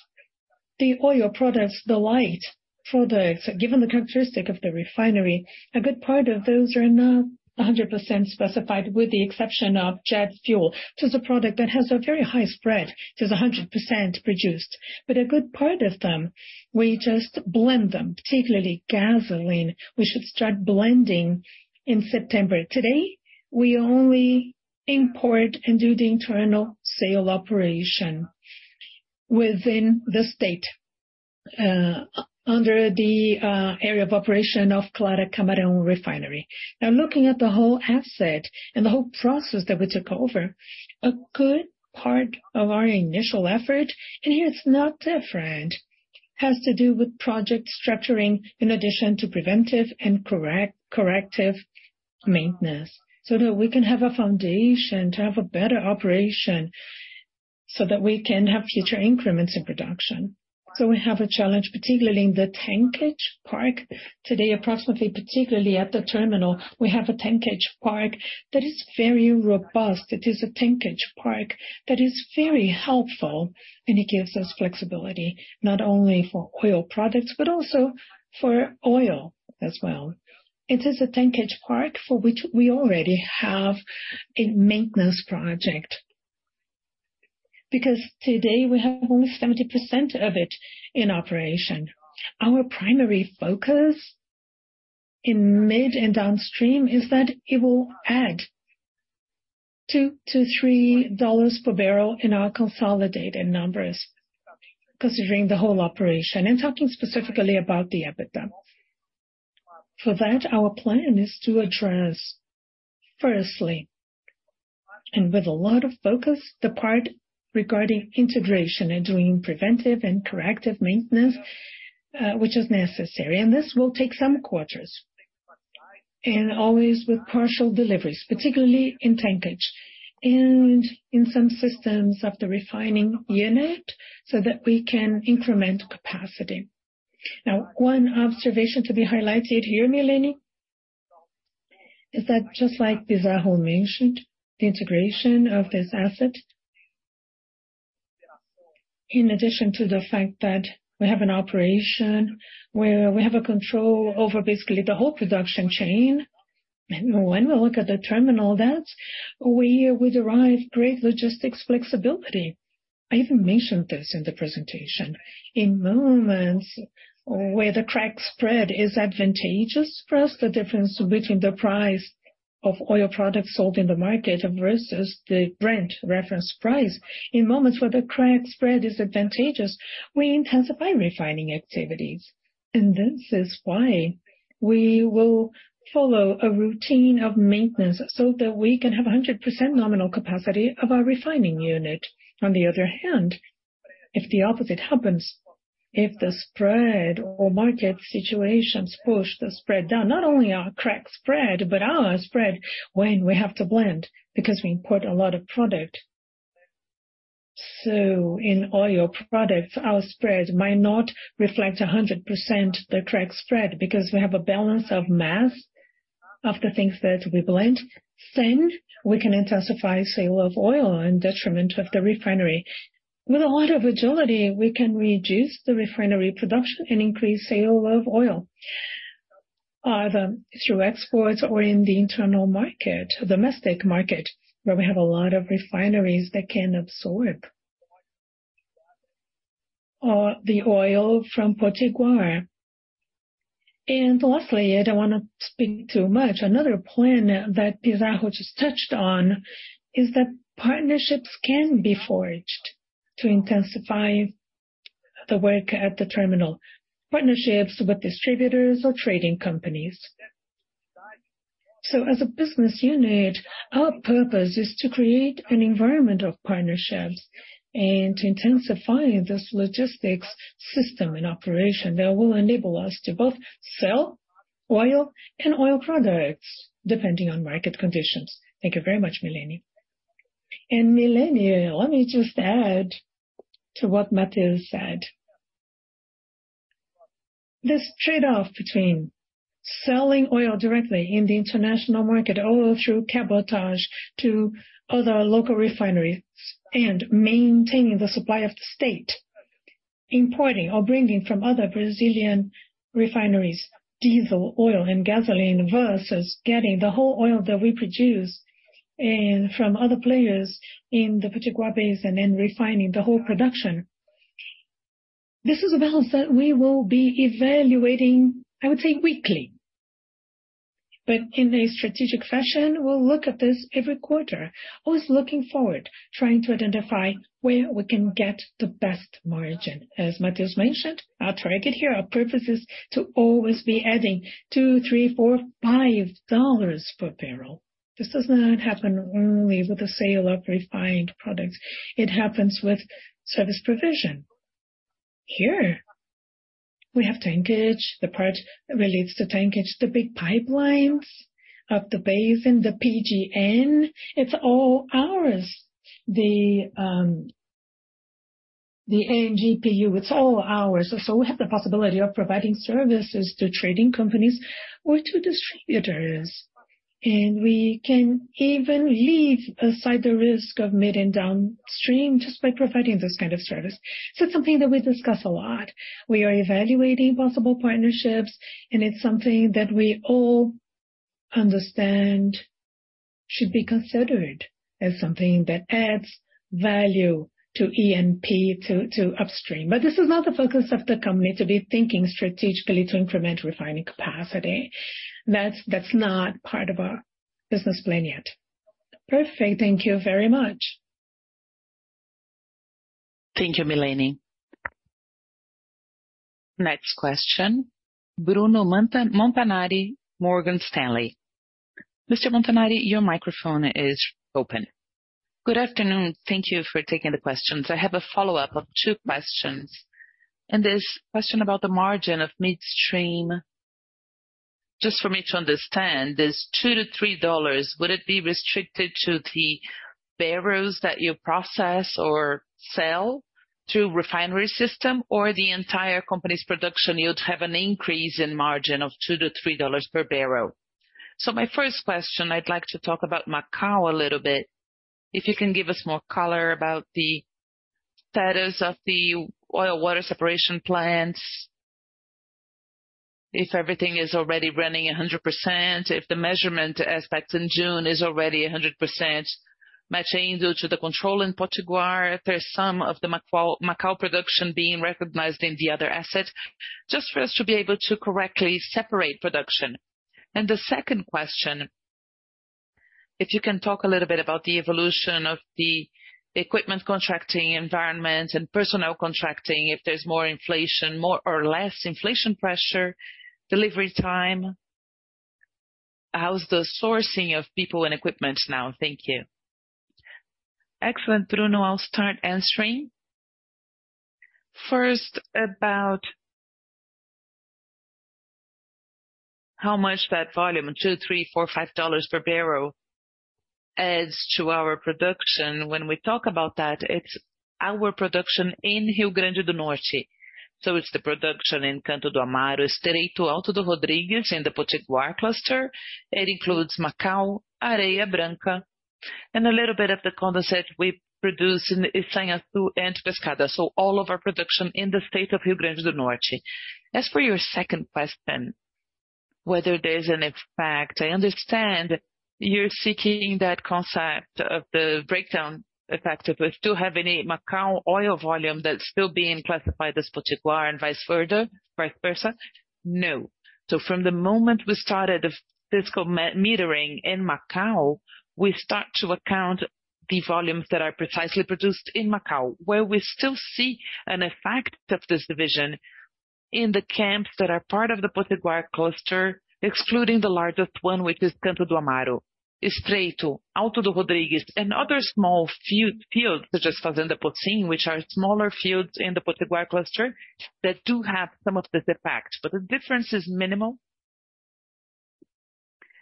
Speaker 2: The oil products, the light products, given the characteristic of the refinery, a good part of those are not 100% specified, with the exception of jet fuel. It's a product that has a very high spread, so it's 100% produced. A good part of them, we just blend them, particularly gasoline. We should start blending in September. Today, we only import and do the internal sale operation within the state, under the area of operation of Clara Camarão Refinery. Looking at the whole asset and the whole process that we took over, a good part of our initial effort, and here it's not different, has to do with project structuring, in addition to preventive and corrective maintenance, so that we can have a foundation to have a better operation. That we can have future increments in production. We have a challenge, particularly in the tankage park. Today, approximately, particularly at the terminal, we have a tankage park that is very robust. It is a tankage park that is very helpful, and it gives us flexibility, not only for oil products, but also for oil as well. It is a tankage park for which we already have a maintenance project, because today we have only 70% of it in operation. Our primary focus in mid and downstream is that it will add $2-$3 per barrel in our consolidated numbers, considering the whole operation, and talking specifically about the EBITDA. For that, our plan is to address, firstly, and with a lot of focus, the part regarding integration and doing preventive and corrective maintenance, which is necessary, and this will take some quarters, and always with partial deliveries, particularly in tankage and in some systems of the refining unit, so that we can increment capacity. Now, one observation to be highlighted here, Milene, is that just like Pizarro mentioned, the integration of this asset, in addition to the fact that we have an operation where we have a control over basically the whole production chain. When we look at the terminal, that we, we derive great logistics flexibility. I even mentioned this in the presentation. In moments where the crack spread is advantageous for us, the difference between the price of oil products sold in the market versus the Brent reference price, in moments where the crack spread is advantageous, we intensify refining activities. This is why we will follow a routine of maintenance, so that we can have 100% nominal capacity of our refining unit. On the other hand, if the opposite happens, if the spread or market situations push the spread down, not only our crack spread, but our spread when we have to blend, because we import a lot of product. In oil products, our spread might not reflect 100% the crack spread, because we have a balance of mass of the things that we blend. We can intensify sale of oil in detriment of the refinery. With a lot of agility, we can reduce the refinery production and increase sale of oil, either through exports or in the internal market, domestic market, where we have a lot of refineries that can absorb the oil from Potiguar. Lastly, I don't want to speak too much, another plan that Pizarro just touched on, is that partnerships can be forged to intensify the work at the terminal, partnerships with distributors or trading companies. As a business unit, our purpose is to create an environment of partnerships and to intensify this logistics system in operation, that will enable us to both sell oil and oil products, depending on market conditions. Thank you very much, Milene.
Speaker 4: Milene, let me just add to what Mateus said. This trade-off between selling oil directly in the international market, or through cabotage to other local refineries, and maintaining the supply of the state, importing or bringing from other Brazilian refineries, diesel, oil and gasoline, versus getting the whole oil that we produce, and from other players in the Potiguar Basin, and refining the whole production. This is a balance that we will be evaluating, I would say, weekly. In a strategic fashion, we'll look at this every quarter. Always looking forward, trying to identify where we can get the best margin. As Mateus mentioned, I'll track it here. Our purpose is to always be adding $2, $3, $4, $5 per barrel. This does not happen only with the sale of refined products, it happens with service provision. Here, we have tankage, the part relates to tankage, the big pipelines of the basin, the PGN, it's all ours. The, the NGPU, it's all ours. We have the possibility of providing services to trading companies or to distributors, and we can even leave aside the risk of mid and downstream just by providing this kind of service. It's something that we discuss a lot. We are evaluating possible partnerships, and it's something that we all understand should be considered as something that adds value to E&P, to, to upstream. This is not the focus of the company, to be thinking strategically to increment refining capacity. That's, that's not part of our business plan yet.
Speaker 7: Perfect. Thank you very much.
Speaker 1: Thank you, Milene. Next question, Bruno Montanari, Morgan Stanley. Mr. Montanari, your microphone is open.
Speaker 8: Good afternoon. Thank you for taking the questions. I have a follow-up of two questions, and this question about the margin of midstream. Just for me to understand, this $2-$3, would it be restricted to the barrels that you process or sell to refinery system, or the entire company's production, you'd have an increase in margin of $2-$3 per barrel? My first question, I'd like to talk about Macau a little bit. If you can give us more color about the status of the oil water separation plants, if everything is already running 100%, if the measurement aspect in June is already 100% matching due to the control in Potiguar, if there's some of the Macau production being recognized in the other assets, just for us to be able to correctly separate production. The second question, if you can talk a little bit about the evolution of the equipment contracting environment and personnel contracting, if there's more inflation, more or less inflation pressure, delivery time, how's the sourcing of people and equipment now? Thank you.
Speaker 4: Excellent, Bruno, I'll start answering. First, about how much that volume, $2, $3, $4, $5 per barrel adds to our production. When we talk about that, it's our production in Rio Grande do Norte. It's the production in Canto do Amaro, Estreito, Alto do Rodrigues, in the Potiguar cluster. It includes Macau, Areia Branca, and a little bit of the condensate we produce in Essaima two and Pescada. All of our production in the state of Rio Grande do Norte. As for your second question, whether there's an impact, I understand you're seeking that concept of the breakdown effect, if we still have any Macau oil volume that's still being classified as Potiguar and vice versa. No. From the moment we started the physical metering in Macau, we start to account the volumes that are precisely produced in Macau, where we still see an effect of this division in the camps that are part of the Potiguar cluster, excluding the largest one, which is Canto do Amaro, Estreito, Alto do Rodrigues, and other small few fields, such as Fazenda Potin, which are smaller fields in the Potiguar cluster, that do have some of this effect. The difference is minimal,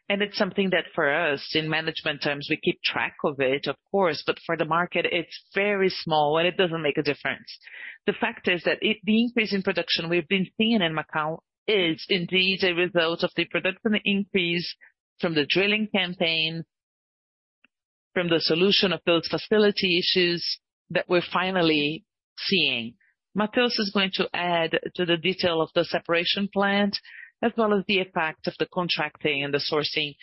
Speaker 4: and it's something that for us, in management terms, we keep track of it, of course, but for the market, it's very small, and it doesn't make a difference. The fact is that the increase in production we've been seeing in Macau is indeed a result of the production increase from the drilling campaign, from the solution of those facility issues that we're finally seeing. Mateus is going to add to the detail of the separation plant, as well as the effect of the contracting and the sourcing,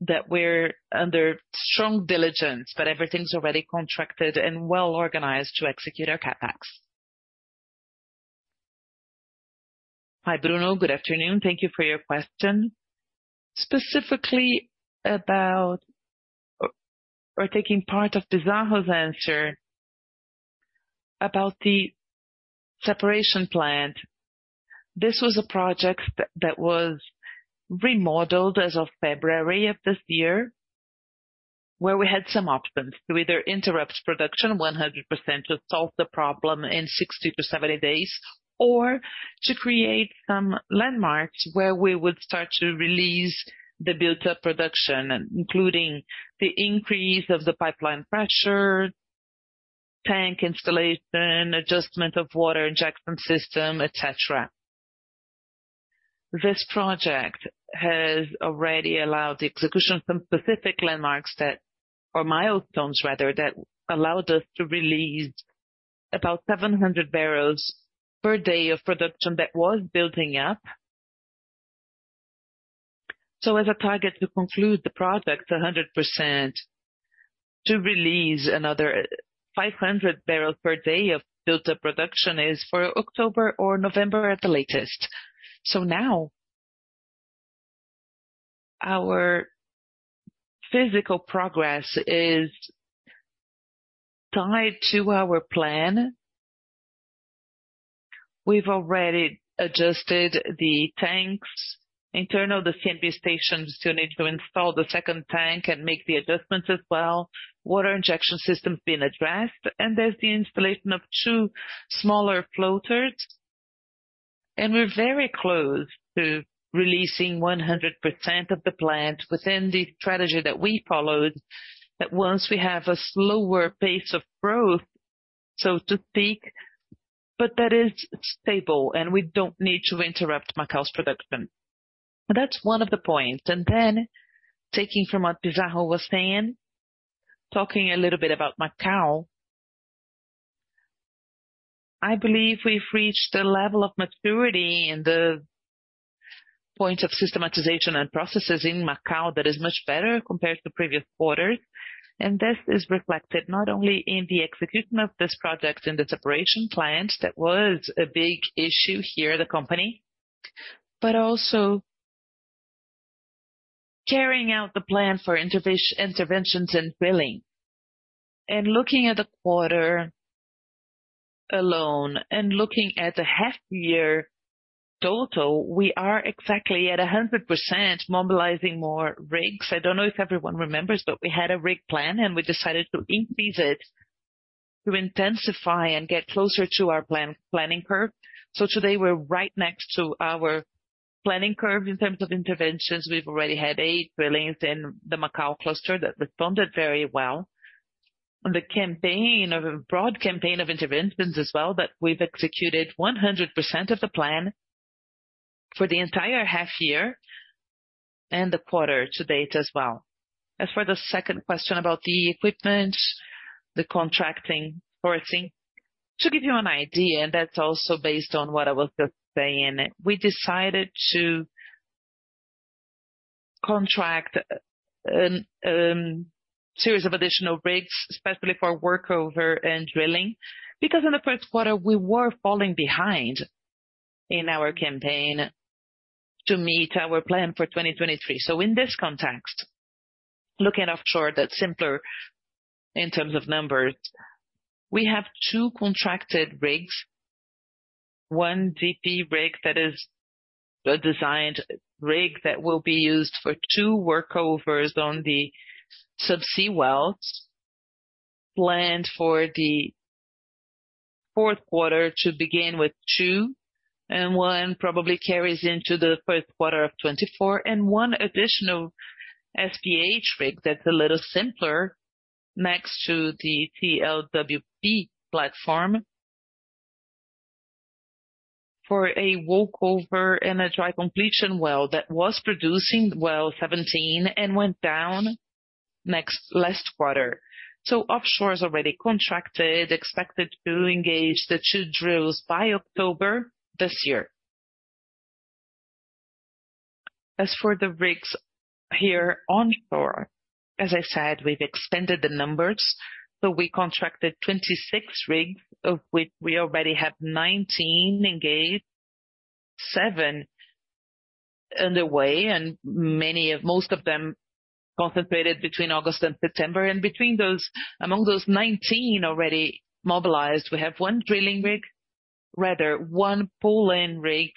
Speaker 4: that we're under strong diligence, but everything's already contracted and well organized to execute our CapEx.
Speaker 2: Hi, Bruno, good afternoon. Thank you for your question. Specifically, about or taking part of Pizarro's answer about the separation plant. This was a project that, that was remodeled as of February of this year, where we had some options to either interrupt production 100% to solve the problem in 60-70 days, or to create some landmarks where we would start to release the built-up production, including the increase of the pipeline pressure, tank installation, adjustment of water injection system, et cetera. This project has already allowed the execution of some specific landmarks that, or milestones rather, that allowed us to release about 700 barrels per day of production that was building up. As a target to conclude the project 100%, to release another 500 barrels per day of built-up production is for October or November at the latest. Now, our physical progress is tied to our plan. We've already adjusted the tanks, internal, the CMP stations still need to install the second tank and make the adjustments as well. There's the installation of two smaller floaters. We're very close to releasing 100% of the plant within the strategy that we followed, that once we have a slower pace of growth, so to speak, but that is stable, and we don't need to interrupt Macau's production. That's one of the points. Taking from what Pizarro was saying, talking a little bit about Macau, I believe we've reached a level of maturity in the point of systematization and processes in Macau that is much better compared to previous quarters. This is reflected not only in the execution of this project in the separation plant, that was a big issue here at the company, but also carrying out the plan for interventions and billing. Looking at the quarter alone, and looking at the half year total, we are exactly at 100% mobilizing more rigs. I don't know if everyone remembers, but we had a rig plan, and we decided to increase it, to intensify and get closer to our plan, planning curve. Today we're right next to our planning curve in terms of interventions. We've already had eight drillings in the Macau cluster that performed very well. On the campaign, of a broad campaign of interventions as well, that we've executed 100% of the plan for the entire half year and the quarter to date as well. As for the second question about the equipment, the contracting portion. To give you an idea, and that's also based on what I was just saying, we decided to contract a series of additional rigs, especially for workover and drilling, because in the first quarter, we were falling behind in our campaign to meet our plan for 2023. In this context, looking at offshore, that's simpler in terms of numbers. We have two contracted rigs, 1 DP rig that is a designed rig that will be used for two workovers on the subsea wells, planned for the fourth quarter to begin with two, and one probably carries into the first quarter of 2024, and one additional SPH rig that's a little simpler next to the TLWP platform for one workover and a dry completion well, that was producing well 17 and went down next last quarter. Offshore is already contracted, expected to engage the two drills by October this year. As for the rigs here on shore, as I said, we've extended the numbers, so we contracted 26 rigs, of which we already have 19 engaged, seven underway, and most of them concentrated between August and September. Among those 19 already mobilized, we have one drilling rig, rather one pull-in rig,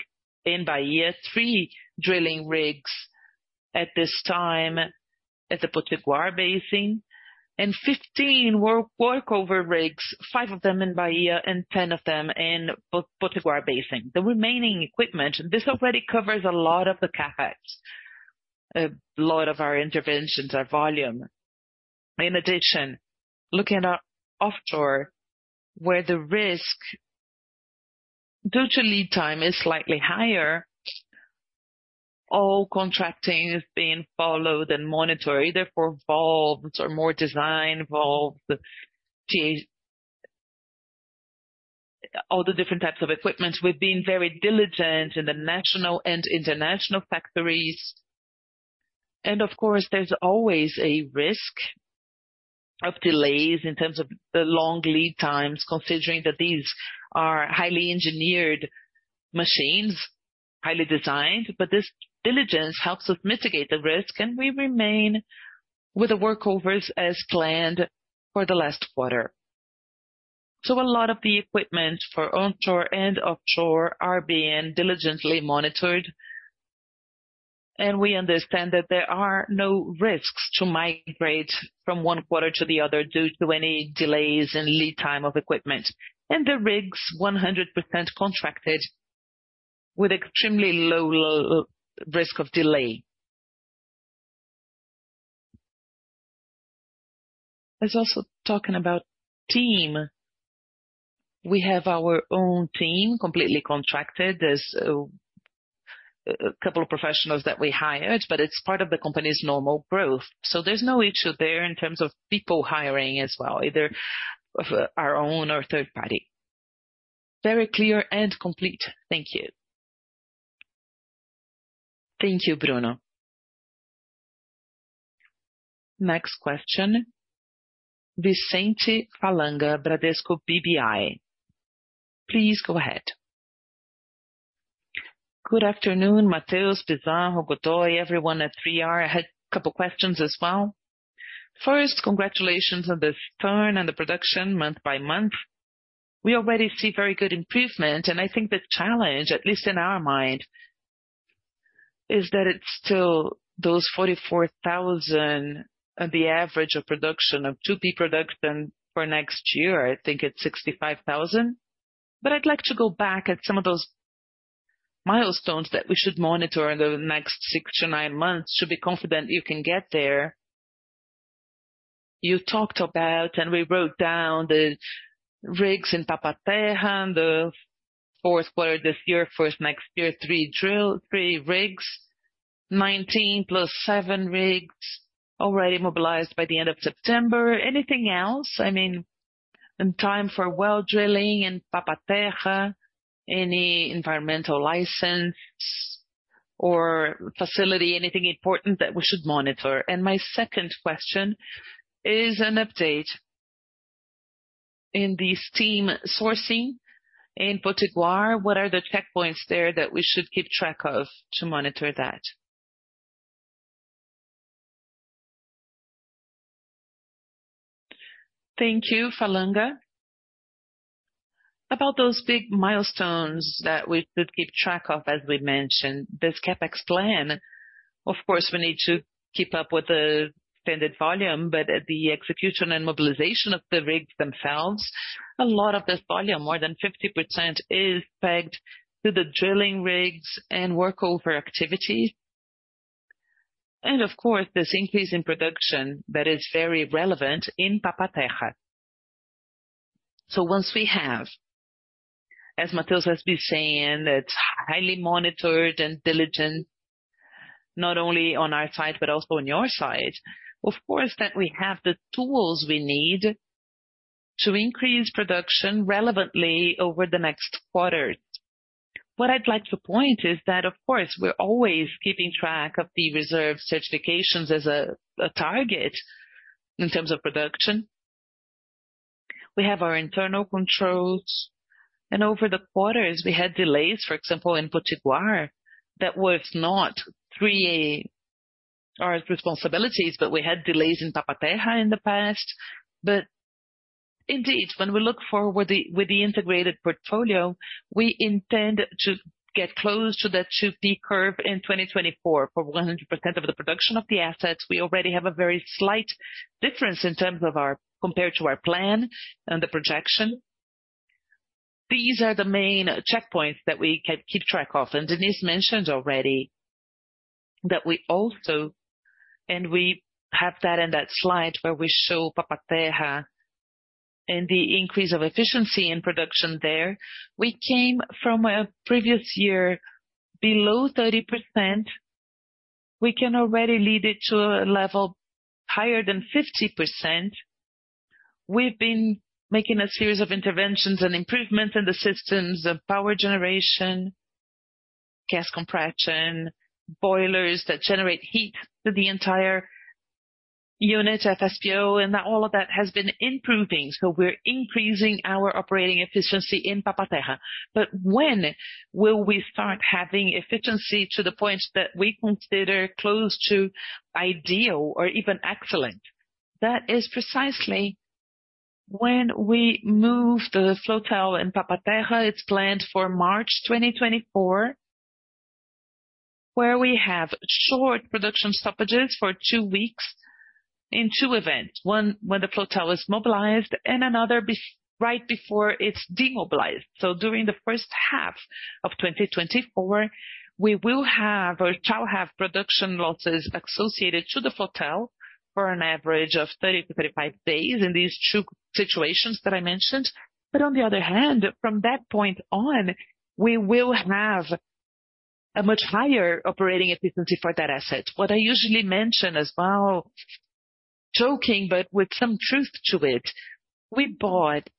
Speaker 2: in Bahia, three drilling rigs at this time at the Potiguar Basin, and 15 work, workover rigs, five of them in Bahia and 10 of them in Potiguar Basin. The remaining equipment, this already covers a lot of the CapEx, a lot of our interventions, our volume. In addition, looking at our offshore, where the risk due to lead time is slightly higher, all contracting is being followed and monitored, either for valves or more design involved, all the different types of equipment. We've been very diligent in the national and international factories, and of course, there's always a risk of delays in terms of the long lead times, considering that these are highly engineered machines, highly designed, but this diligence helps us mitigate the risk, and we remain with the workovers as planned for the last quarter. A lot of the equipment for onshore and offshore are being diligently monitored, and we understand that there are no risks to migrate from one quarter to the other due to any delays in lead time of equipment. And the rigs, 100% contracted with extremely low, low risk of delay. There's also talking about team. We have our own team, completely contracted. There's a couple of professionals that we hired. It's part of the company's normal growth. There's no issue there in terms of people hiring as well, either of our own or third party.
Speaker 8: Very clear and complete. Thank you.
Speaker 1: Thank you, Bruno. Next question, Vicente Falanga, Bradesco BBI. Please go ahead.
Speaker 9: Good afternoon, Mateus, Pizarro, Godoy, everyone at 3R. I had a couple questions as well. First, congratulations on the turn and the production month-over-month. We already see very good improvement, and I think the challenge, at least in our mind, is that it's still those 44,000 on the average of production of 2P production for next year, I think it's 65,000. I'd like to go back at some of those milestones that we should monitor in the next six to nine months to be confident you can get there. You talked about, and we wrote down the rigs in Papa-Terra, the fourth quarter this year, first next year, three drill, three rigs, 19 plus seven rigs already mobilized by the end of September. Anything else? I mean, in time for well drilling in Papa-Terra, any environmental license or facility, anything important that we should monitor? My second question is an update in the steam sourcing in Potiguar. What are the checkpoints there that we should keep track of to monitor that?
Speaker 4: Thank you, Falanga. About those big milestones that we should keep track of, as we mentioned, this CapEx plan, of course, we need to keep up with the standard volume, but at the execution and mobilization of the rigs themselves, a lot of this volume, more than 50%, is pegged to the drilling rigs and workover activity. Of course, this increase in production that is very relevant in Papa-Terra. Once we have, as Mateus has been saying, it's highly monitored and diligent, not only on our side, but also on your side. Of course, that we have the tools we need to increase production relevantly over the next quarter. What I'd like to point is that, of course, we're always keeping track of the reserve certifications as a target in terms of production. We have our internal controls, over the quarters, we had delays, for example, in Potiguar, that was not 3R, our responsibilities, but we had delays in Papa-Terra in the past. Indeed, when we look forward with the integrated portfolio, we intend to get close to the 2D curve in 2024. For 100% of the production of the assets, we already have a very slight difference in terms of compared to our plan and the projection. These are the main checkpoints that we keep track of. Diniz mentioned already that we also, and we have that in that slide where we show Papa-Terra and the increase of efficiency in production there. We came from a previous year below 30%. We can already lead it to a level higher than 50%. We've been making a series of interventions and improvements in the systems of power generation, gas compression, boilers that generate heat to the entire unit at FPSO, and that all of that has been improving. We're increasing our operating efficiency in Papa-Terra. When will we start having efficiency to the point that we consider close to ideal or even excellent? That is precisely when we move the floatel in Papa-Terra. It's planned for March 2024, where we have short production stoppages for two weeks in two events. One, when the floatel is mobilized, and another right before it's demobilized. During the first half of 2024, we will have or shall have production losses associated to the floatel for an average of 30-35 days in these two situations that I mentioned. On the other hand, from that point on, we will have a much higher operating efficiency for that asset. What I usually mention as well, joking, but with some truth to it, we bought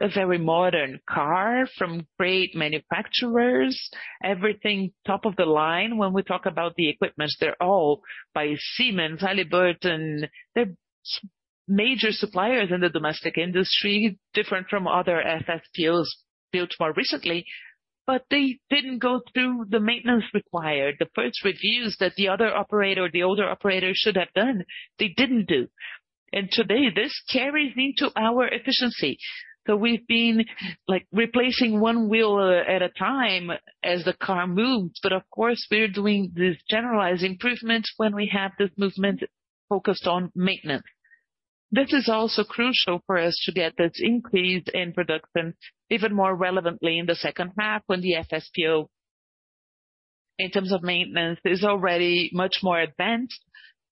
Speaker 4: a very modern car from great manufacturers, everything top of the line. When we talk about the equipment, they're all by Siemens, Halliburton. They're major suppliers in the domestic industry, different from other FSPOs built more recently, but they didn't go through the maintenance required. The first reviews that the other operator or the older operator should have done, they didn't do. Today, this carries into our efficiency. We've been, like, replacing one wheel at a time as the car moves, but of course, we're doing this generalized improvements when we have this movement focused on maintenance. This is also crucial for us to get this increase in production, even more relevantly in the second half, when the FPSO, in terms of maintenance, is already much more advanced,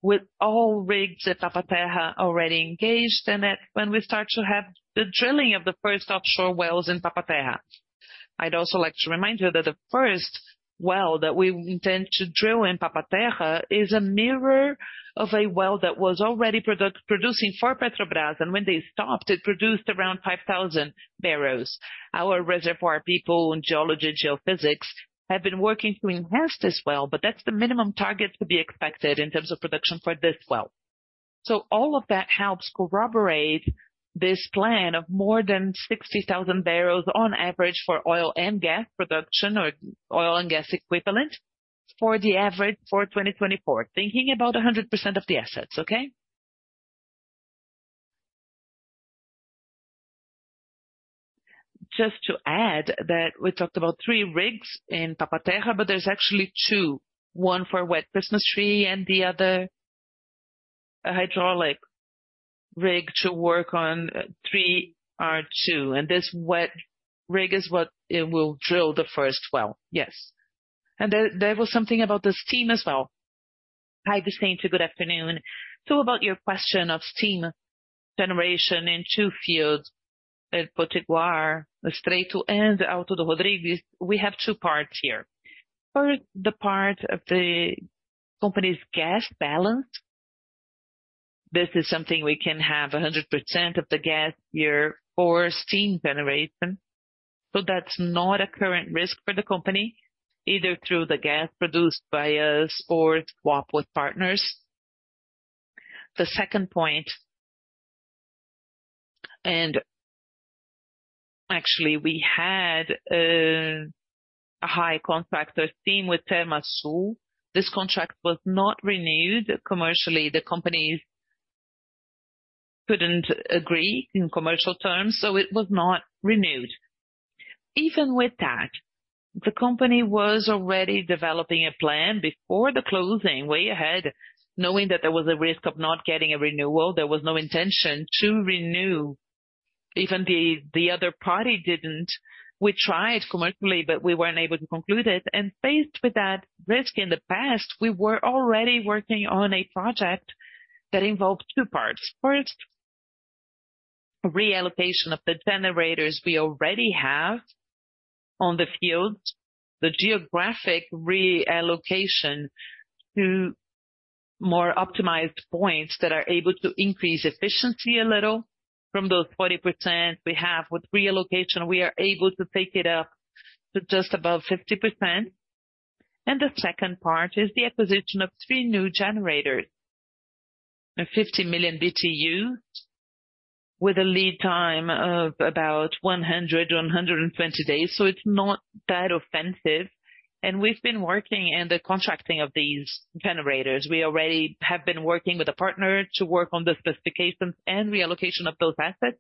Speaker 4: with all rigs at Papa-Terra already engaged, and that when we start to have the drilling of the first offshore wells in Papa-Terra. Also, I'd like to remind you that the first well that we intend to drill in Papa-Terra is a mirror of a well that was already product- producing for Petrobras, and when they stopped, it produced around 5,000 barrels. Our reservoir people in geology and geophysics have been working to enhance this well, but that's the minimum target to be expected in terms of production for this well. All of that helps corroborate this plan of more than 60,000 barrels on average for oil and gas production or oil and gas equivalent for the average for 2024, thinking about 100% of the assets, okay?
Speaker 2: Just to add that we talked about three rigs in Papa-Terra, but there's actually two, one for wet Christmas tree and the other a hydraulic rig to work on 3R2, and this wet rig is what it will drill the first well. There, there was something about the steam as well.
Speaker 3: Hi, Vicente. Good afternoon. About your question of steam generation in two fields, Potiguar, Estreito, and Alto do Rodrigues, we have two parts here. For the part of the company's gas balance, this is something we can have 100% of the gas here for steam generation. That's not a current risk for the company, either through the gas produced by us or swap with partners. Actually, we had a high contract, a steam with Termoaçu. This contract was not renewed commercially. The company is couldn't agree in commercial terms, so it was not renewed. Even with that, the company was already developing a plan before the closing, way ahead, knowing that there was a risk of not getting a renewal. There was no intention to renew. Even the, the other party didn't. We tried commercially, but we weren't able to conclude it, and faced with that risk in the past, we were already working on a project that involved two parts. First, reallocation of the generators we already have on the field, the geographic reallocation to more optimized points that are able to increase efficiency a little. From those 40% we have, with reallocation, we are able to take it up to just above 50%. The second part is the acquisition of three new generators, a 50 million BTU, with a lead time of about 100-120 days, it's not that offensive. We've been working in the contracting of these generators. We already have been working with a partner to work on the specifications and reallocation of those assets.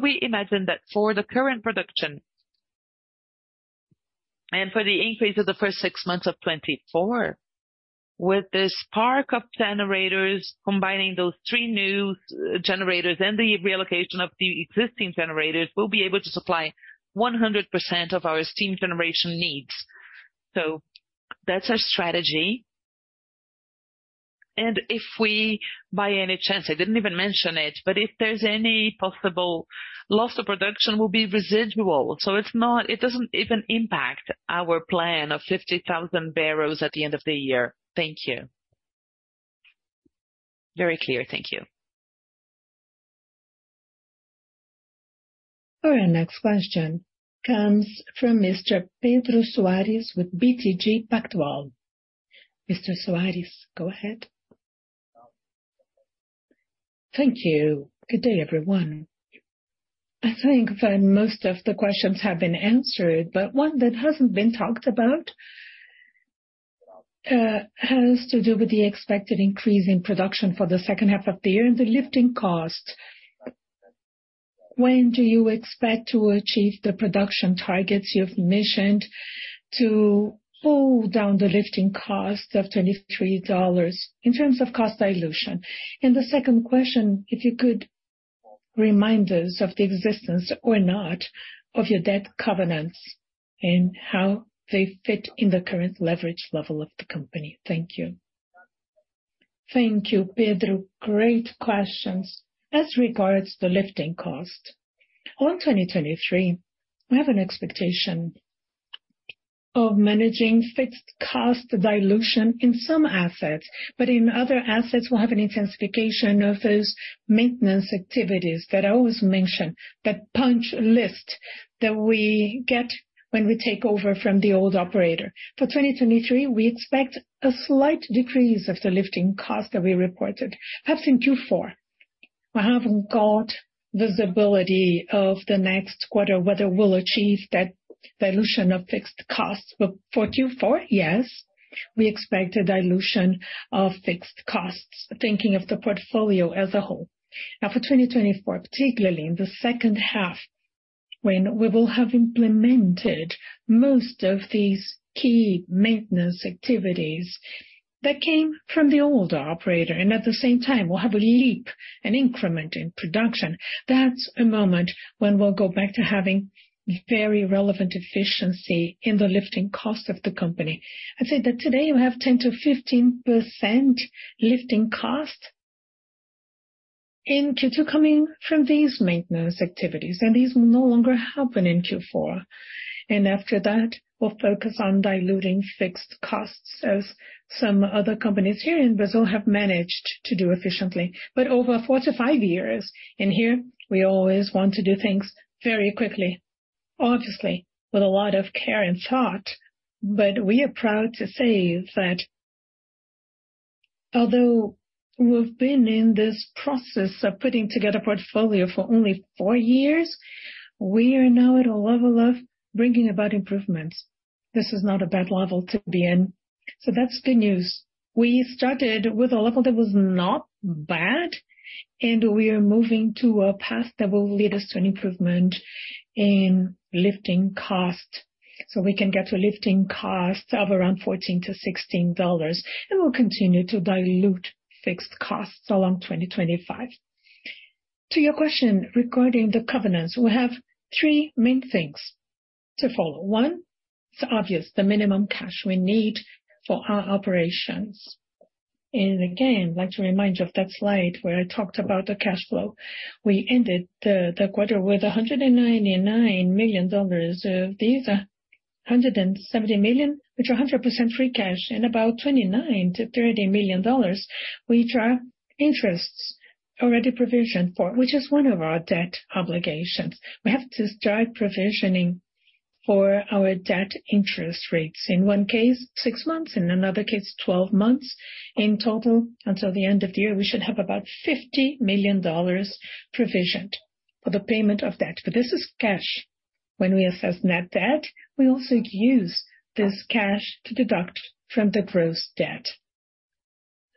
Speaker 3: We imagine that for the current production and for the increase of the first six months of 2024, with this park of generators, combining those three new generators and the reallocation of the existing generators, we'll be able to supply 100% of our steam generation needs. That's our strategy. If we, by any chance, I didn't even mention it, if there's any possible loss of production will be residual. It doesn't even impact our plan of 50,000 barrels at the end of the year. Thank you.
Speaker 9: Very clear. Thank you.
Speaker 1: Our next question comes from Mr. Pedro Soares with BTG Pactual. Mr. Soares, go ahead.
Speaker 10: Thank you. Good day, everyone. I think that most of the questions have been answered, but one that hasn't been talked about, has to do with the expected increase in production for the second half of the year and the lifting cost. When do you expect to achieve the production targets you've mentioned to pull down the lifting cost of $23 in terms of cost dilution? The second question, if you could remind us of the existence or not of your debt covenants and how they fit in the current leverage level of the company. Thank you.
Speaker 4: Thank you, Pedro. Great questions. As regards to the lifting cost, on 2023, we have an expectation of managing fixed cost dilution in some assets, but in other assets, we'll have an intensification of those maintenance activities that I always mention, that punch list that we get when we take over from the old operator. For 2023, we expect a slight decrease of the lifting cost that we reported, perhaps in Q4. We haven't got visibility of the next quarter, whether we'll achieve that dilution of fixed costs. For Q4, yes, we expect a dilution of fixed costs, thinking of the portfolio as a whole. Now for 2024, particularly in the second half, when we will have implemented most of these key maintenance activities that came from the old operator, and at the same time, we'll have a leap, an increment in production. That's a moment when we'll go back to having very relevant efficiency in the lifting cost of the company. I'd say that today, you have 10%-15% lifting costs in Q2 coming from these maintenance activities, and these will no longer happen in Q4. After that, we'll focus on diluting fixed costs, as some other companies here in Brazil have managed to do efficiently. Over four to five years, and here, we always want to do things very quickly, obviously with a lot of care and thought. We are proud to say that although we've been in this process of putting together a portfolio for only 4 years, we are now at a level of bringing about improvements. This is not a bad level to be in, so that's good news. We started with a level that was not bad, we are moving to a path that will lead us to an improvement in lifting costs, so we can get to lifting costs of around $14-$16, and we'll continue to dilute fixed costs along 2025. To your question regarding the covenants, we have three main things to follow. One, it's obvious, the minimum cash we need for our operations. Again, I'd like to remind you of that slide where I talked about the cash flow. We ended the quarter with $199 million. Of these, $170 million, which are 100% free cash, and about $29 million to $30 million, which are interests already provisioned for, which is one of our debt obligations. We have to start provisioning for our debt interest rates, in one case, six months, in another case, 12 months. In total, until the end of the year, we should have about $50 million provisioned for the payment of debt. This is cash. When we assess net debt, we also use this cash to deduct from the gross debt.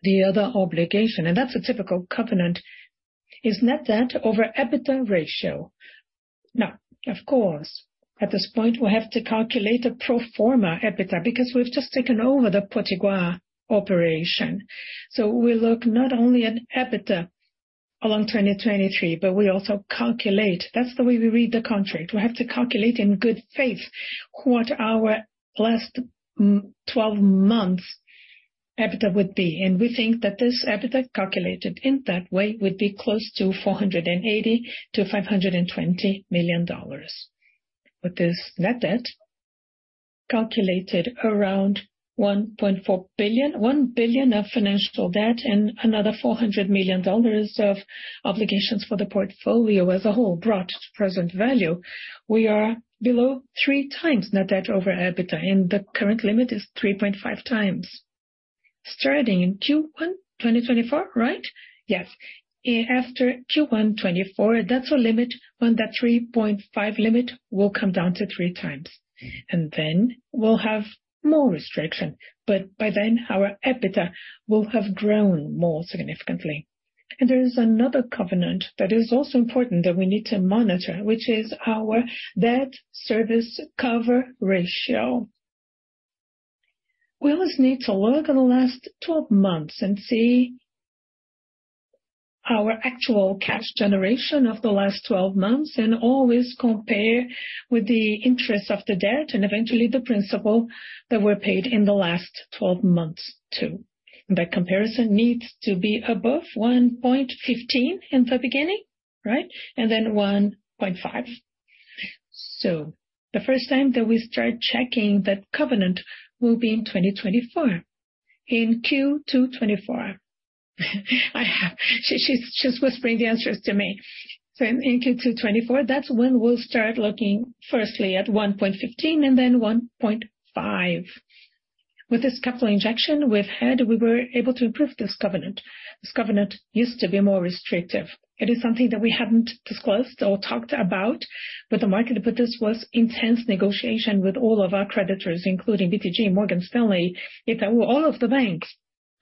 Speaker 4: The other obligation, and that's a typical covenant, is net debt over EBITDA ratio. Now, of course, at this point, we have to calculate a pro forma EBITDA because we've just taken over the Potiguar operation. We look not only at EBITDA along 2023, but we also calculate. That's the way we read the contract. We have to calculate in good faith what our last 12 months EBITDA would be. We think that this EBITDA, calculated in that way, would be close to $480 million to $520 million. With this net debt calculated around $1.4 billion, $1 billion of financial debt and another $400 million of obligations for the portfolio as a whole, brought to present value, we are below three times net debt over EBITDA. The current limit is 3.5 times. Starting in Q1 2024, right?
Speaker 10: Yes.
Speaker 4: After Q1 2024, that's our limit, when that 3.5 limit will come down to three times, and then we'll have more restriction. By then, our EBITDA will have grown more significantly. There is another covenant that is also important that we need to monitor, which is our debt service cover ratio. We always need to look at the last 12 months and see our actual cash generation of the last 12 months, and always compare with the interest of the debt and eventually the principal that were paid in the last 12 months, too. That comparison needs to be above 1.15 in the beginning, right? And then 1.5. The first time that we start checking that covenant will be in 2024, in Q2 2024. She, she's, she's whispering the answers to me. In Q2 2024, that's when we'll start looking firstly at 1.15 and then 1.5. With this capital injection we've had, we were able to improve this covenant. This covenant used to be more restrictive. It is something that we haven't disclosed or talked about with the market, but this was intense negotiation with all of our creditors, including BTG and Morgan Stanley. If there were all of the banks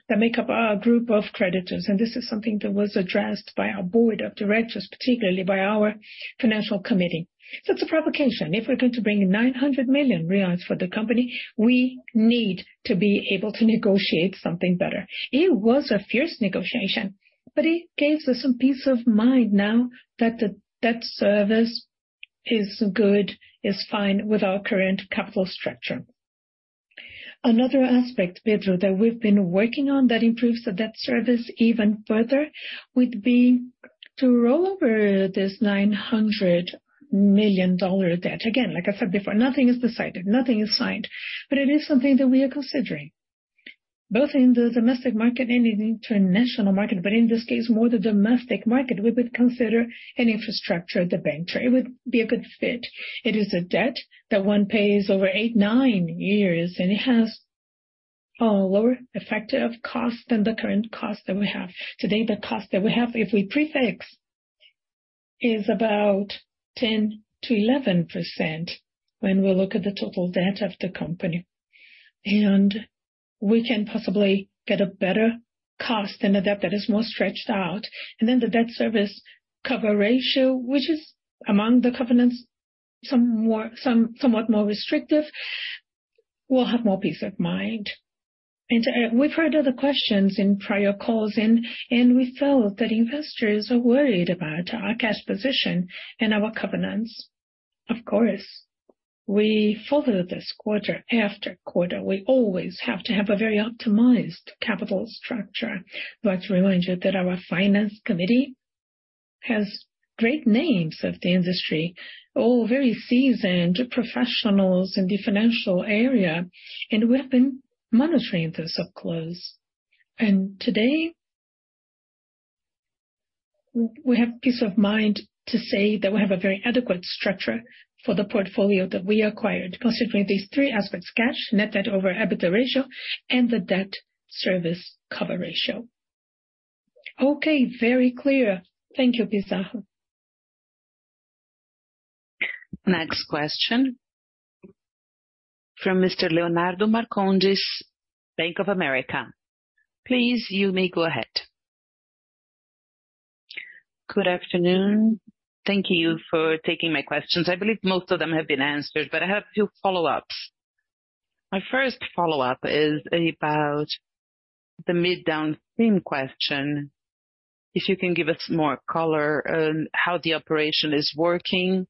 Speaker 4: that make up our group of creditors, and this is something that was addressed by our board of directors, particularly by our financial committee. It's a provocation. If we're going to bring in 900 million reais for the company, we need to be able to negotiate something better. It was a fierce negotiation, but it gives us some peace of mind now that the debt service is good, is fine with our current capital structure. Another aspect, Pedro, that we've been working on that improves the debt service even further, would be to roll over this $900 million debt. Again, like I said before, nothing is decided, nothing is signed, but it is something that we are considering. Both in the domestic market and in the international market, but in this case, more the domestic market, we would consider an infrastructure debenture. It would be a good fit. It is a debt that one pays over eight, nine years, and it has a lower effective cost than the current cost that we have. Today, the cost that we have, if we prefix, is about 10%-11% when we look at the total debt of the company. We can possibly get a better cost and a debt that is more stretched out.
Speaker 8: Then the debt service cover ratio, which is among the covenants, somewhat more restrictive, we'll have more peace of mind. We've heard other questions in prior calls, and, and we felt that investors are worried about our cash position and our covenants. Of course, we follow this quarter after quarter. We always have to have a very optimized capital structure. Remind you that our finance committee has great names of the industry, all very seasoned professionals in the financial area, and we have been monitoring this up close. Today, we have peace of mind to say that we have a very adequate structure for the portfolio that we acquired, considering these three aspects: cash, net debt over EBITDA ratio, and the debt service cover ratio.
Speaker 10: Okay, very clear. Thank you, Pizarro.
Speaker 1: Next question from Mr. Leonardo Marcondes, Bank of America. Please, you may go ahead.
Speaker 11: Good afternoon. Thank you for taking my questions. I believe most of them have been answered, I have a few follow-ups. My first follow-up is about the midstream question. If you can give us more color on how the operation is working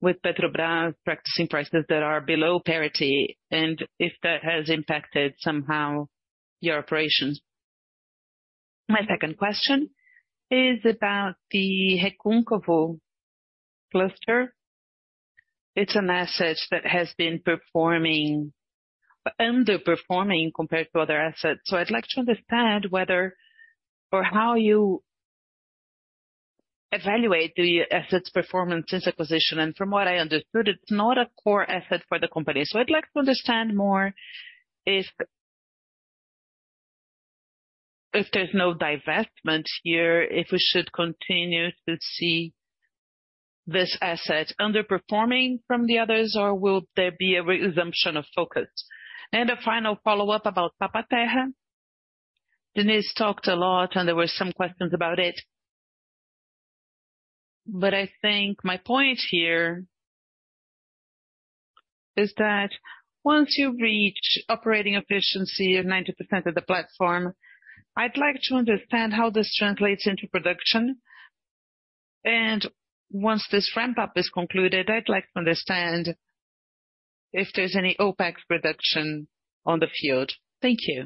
Speaker 11: with Petrobras practicing prices that are below parity, and if that has impacted somehow your operations. My second question is about the Recôncavo cluster. It's an asset that has been performing underperforming compared to other assets. I'd like to understand whether or how you evaluate the asset's performance since acquisition. From what I understood, it's not a core asset for the company. I'd like to understand more if there's no divestment here, if we should continue to see this asset underperforming from the others, or will there be a resumption of focus? A final follow-up about Papa-Terra. Diniz talked a lot, there were some questions about it. I think my point here, is that once you reach operating efficiency of 90% of the platform, I'd like to understand how this translates into production. Once this ramp-up is concluded, I'd like to understand if there's any OpEx reduction on the field. Thank you.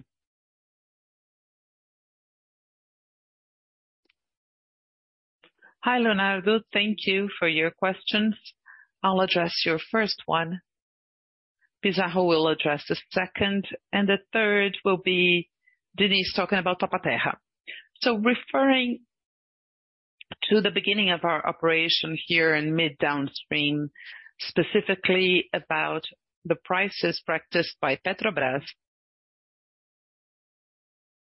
Speaker 2: Hi, Leonardo. Thank you for your questions. I'll address your first one, Pizarro will address the second, and the third will be Diniz talking about Papa-Terra. Referring to the beginning of our operation here in mid downstream, specifically about the prices practiced by Petrobras.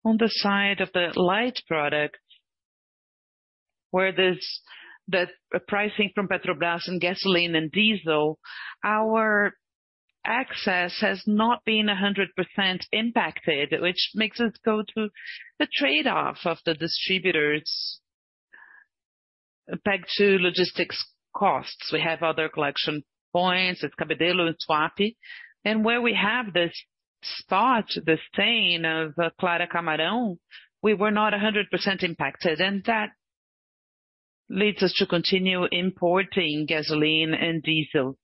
Speaker 2: On the side of the light product, where there's the pricing from Petrobras and gasoline and diesel, our access has not been 100% impacted, which makes us go to the trade-off of the distributors, pegged to logistics costs. We have other collection points, it's Cabedelo and Suape. Where we have this spot, the stain of Clara Camarão, we were not 100% impacted. That leads us to continue importing gasoline and diesel.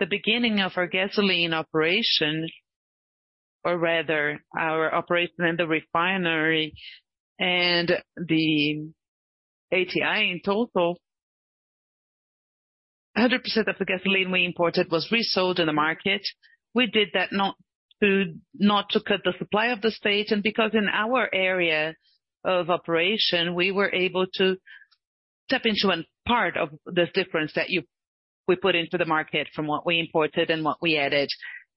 Speaker 2: The beginning of our gasoline operation, or rather, our operation in the refinery and the ATI in total, 100% of the gasoline we imported was resold in the market. We did that not to cut the supply of the state. Because in our area of operation, we were able to step into a part of this difference that we put into the market from what we imported and what we added.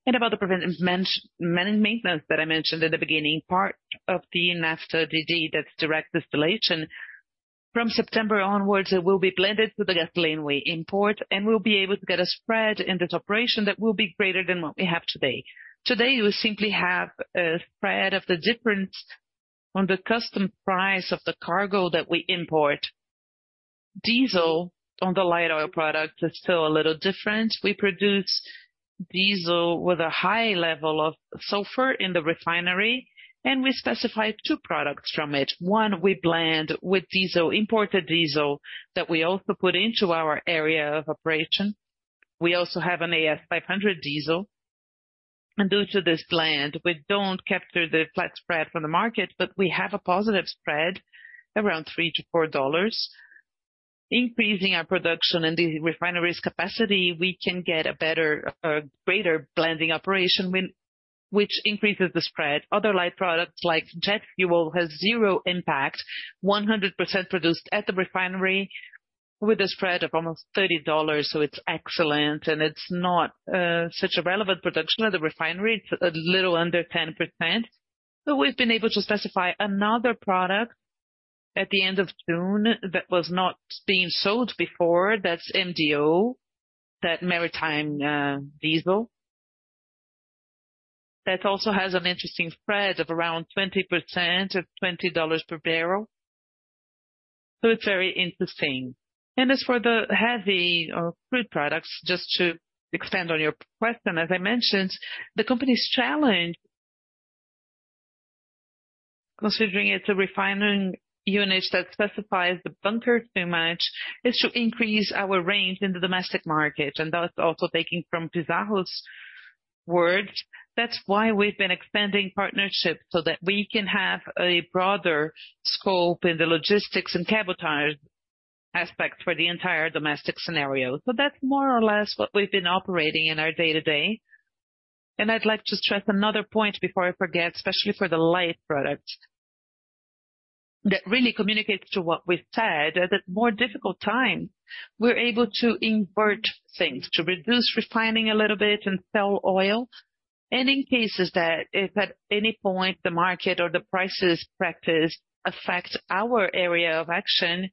Speaker 2: About the preventive maintenance that I mentioned at the beginning, part of the Naphtha DD, that's direct distillation. From September onwards, it will be blended with the gasoline we import, and we'll be able to get a spread in this operation that will be greater than what we have today. Today, you simply have a spread of the difference on the custom price of the cargo that we import. Diesel, on the light oil product, is still a little different. We produce diesel with a high level of sulfur in the refinery, and we specify two products from it. One, we blend with diesel, imported diesel, that we also put into our area of operation. We also have an AS 500 diesel, and due to this blend, we don't capture the flat spread from the market, but we have a positive spread around $3-$4. Increasing our production and the refinery's capacity, we can get a better, greater blending operation, which increases the spread. Other light products, like jet fuel, has zero impact, 100% produced at the refinery with a spread of almost $30, it's excellent, and it's not such a relevant production at the refinery, it's a little under 10%. We've been able to specify another product at the end of June that was not being sold before. That's MDO, that maritime diesel. It also has an interesting spread of around 20% or $20 per barrel. It's very interesting. As for the heavy or crude products, just to expand on your question, as I mentioned, the company's challenge Considering it's a refining unit that specifies the bunker too much, is to increase our range in the domestic market, and that's also taking from Pizarro's words. That's why we've been expanding partnerships, so that we can have a broader scope in the logistics and cabotage aspect for the entire domestic scenario. That's more or less what we've been operating in our day-to-day. I'd like to stress another point before I forget, especially for the light product, that really communicates to what we've said, that at more difficult time, we're able to invert things, to reduce refining a little bit and sell oil. In cases that if at any point the market or the prices practiced affects our area of action,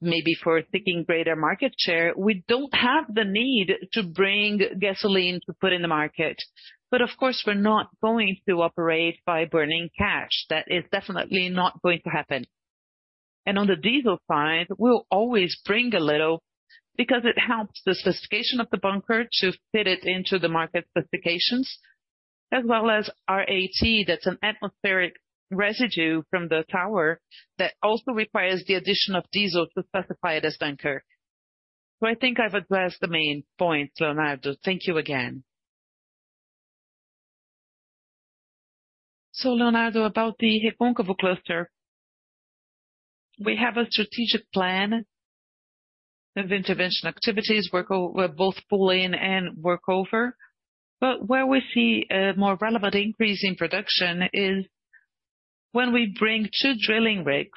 Speaker 2: maybe for seeking greater market share, we don't have the need to bring gasoline to put in the market. Of course, we're not going to operate by burning cash. That is definitely not going to happen. On the diesel side, we'll always bring a little, because it helps the specification of the bunker to fit it into the market specifications, as well as RAT, that's an atmospheric residue from the tower, that also requires the addition of diesel to specify it as bunker. I think I've addressed the main points, Leonardo. Thank you again.
Speaker 4: Leonardo, about the Recôncavo cluster, we have a strategic plan of intervention activities, both pull in and work over. Where we see a more relevant increase in production is when we bring two drilling rigs.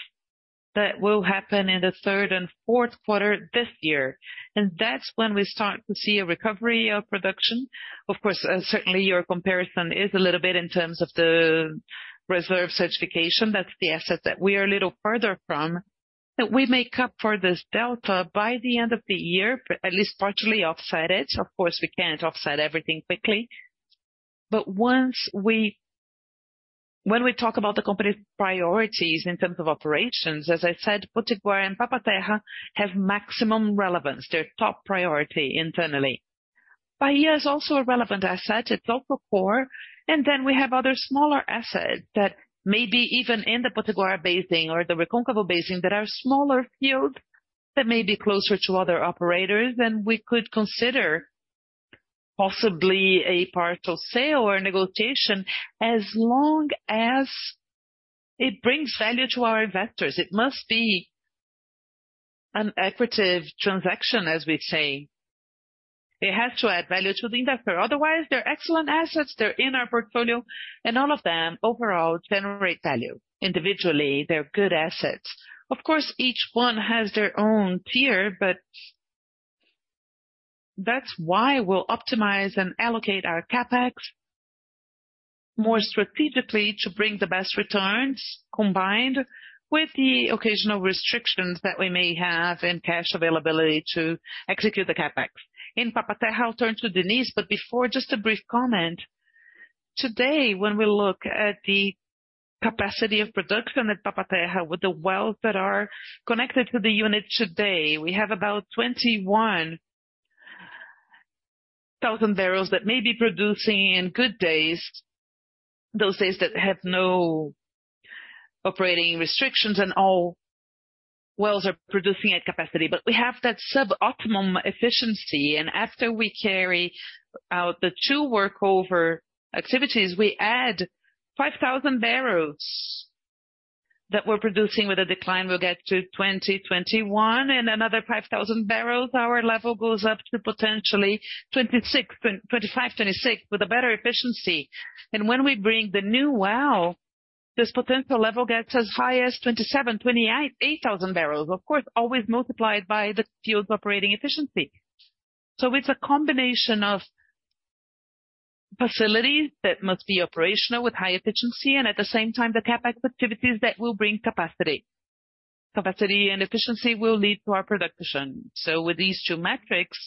Speaker 4: That will happen in the third and fourth quarter this year, and that's when we start to see a recovery of production. Of course, certainly your comparison is a little bit in terms of the reserve certification. That's the asset that we are a little further from, that we make up for this delta by the end of the year, but at least partially offset it. Of course, we can't offset everything quickly. When we talk about the company's priorities in terms of operations, as I said, Potiguar and Papa-Terra have maximum relevance. They're top priority internally. Bahia is also a relevant asset. It's also core. Then we have other smaller assets that may be even in the Potiguar Basin or the Recôncavo Basin, that are smaller fields, that may be closer to other operators, and we could consider possibly a partial sale or negotiation, as long as it brings value to our investors. It must be an accretive transaction, as we say. It has to add value to the investor. Otherwise, they're excellent assets, they're in our portfolio, and all of them overall generate value. Individually, they're good assets. Of course, each one has their own tier, but that's why we'll optimize and allocate our CapEx more strategically to bring the best returns, combined with the occasional restrictions that we may have in cash availability to execute the CapEx. In Papa-Terra, I'll turn to Diniz, but before, just a brief comment. Today, when we look at the capacity of production at Papa-Terra, with the wells that are connected to the unit today, we have about 21,000 barrels that may be producing in good days, those days that have no operating restrictions, and all wells are producing at capacity. We have that sub-optimum efficiency, and after we carry out the two workover activities, we add 5,000 barrels that we're producing. With a decline, we'll get to 2021, and another 5,000 barrels, our level goes up to potentially 26, 25, 26, with a better efficiency. When we bring the new well, this potential level gets as high as 27, 28, 8,000 barrels. Of course, always multiplied by the field's operating efficiency. It's a combination of facilities that must be operational with high efficiency, and at the same time, the CapEx activities that will bring capacity. Capacity and efficiency will lead to our production. With these two metrics,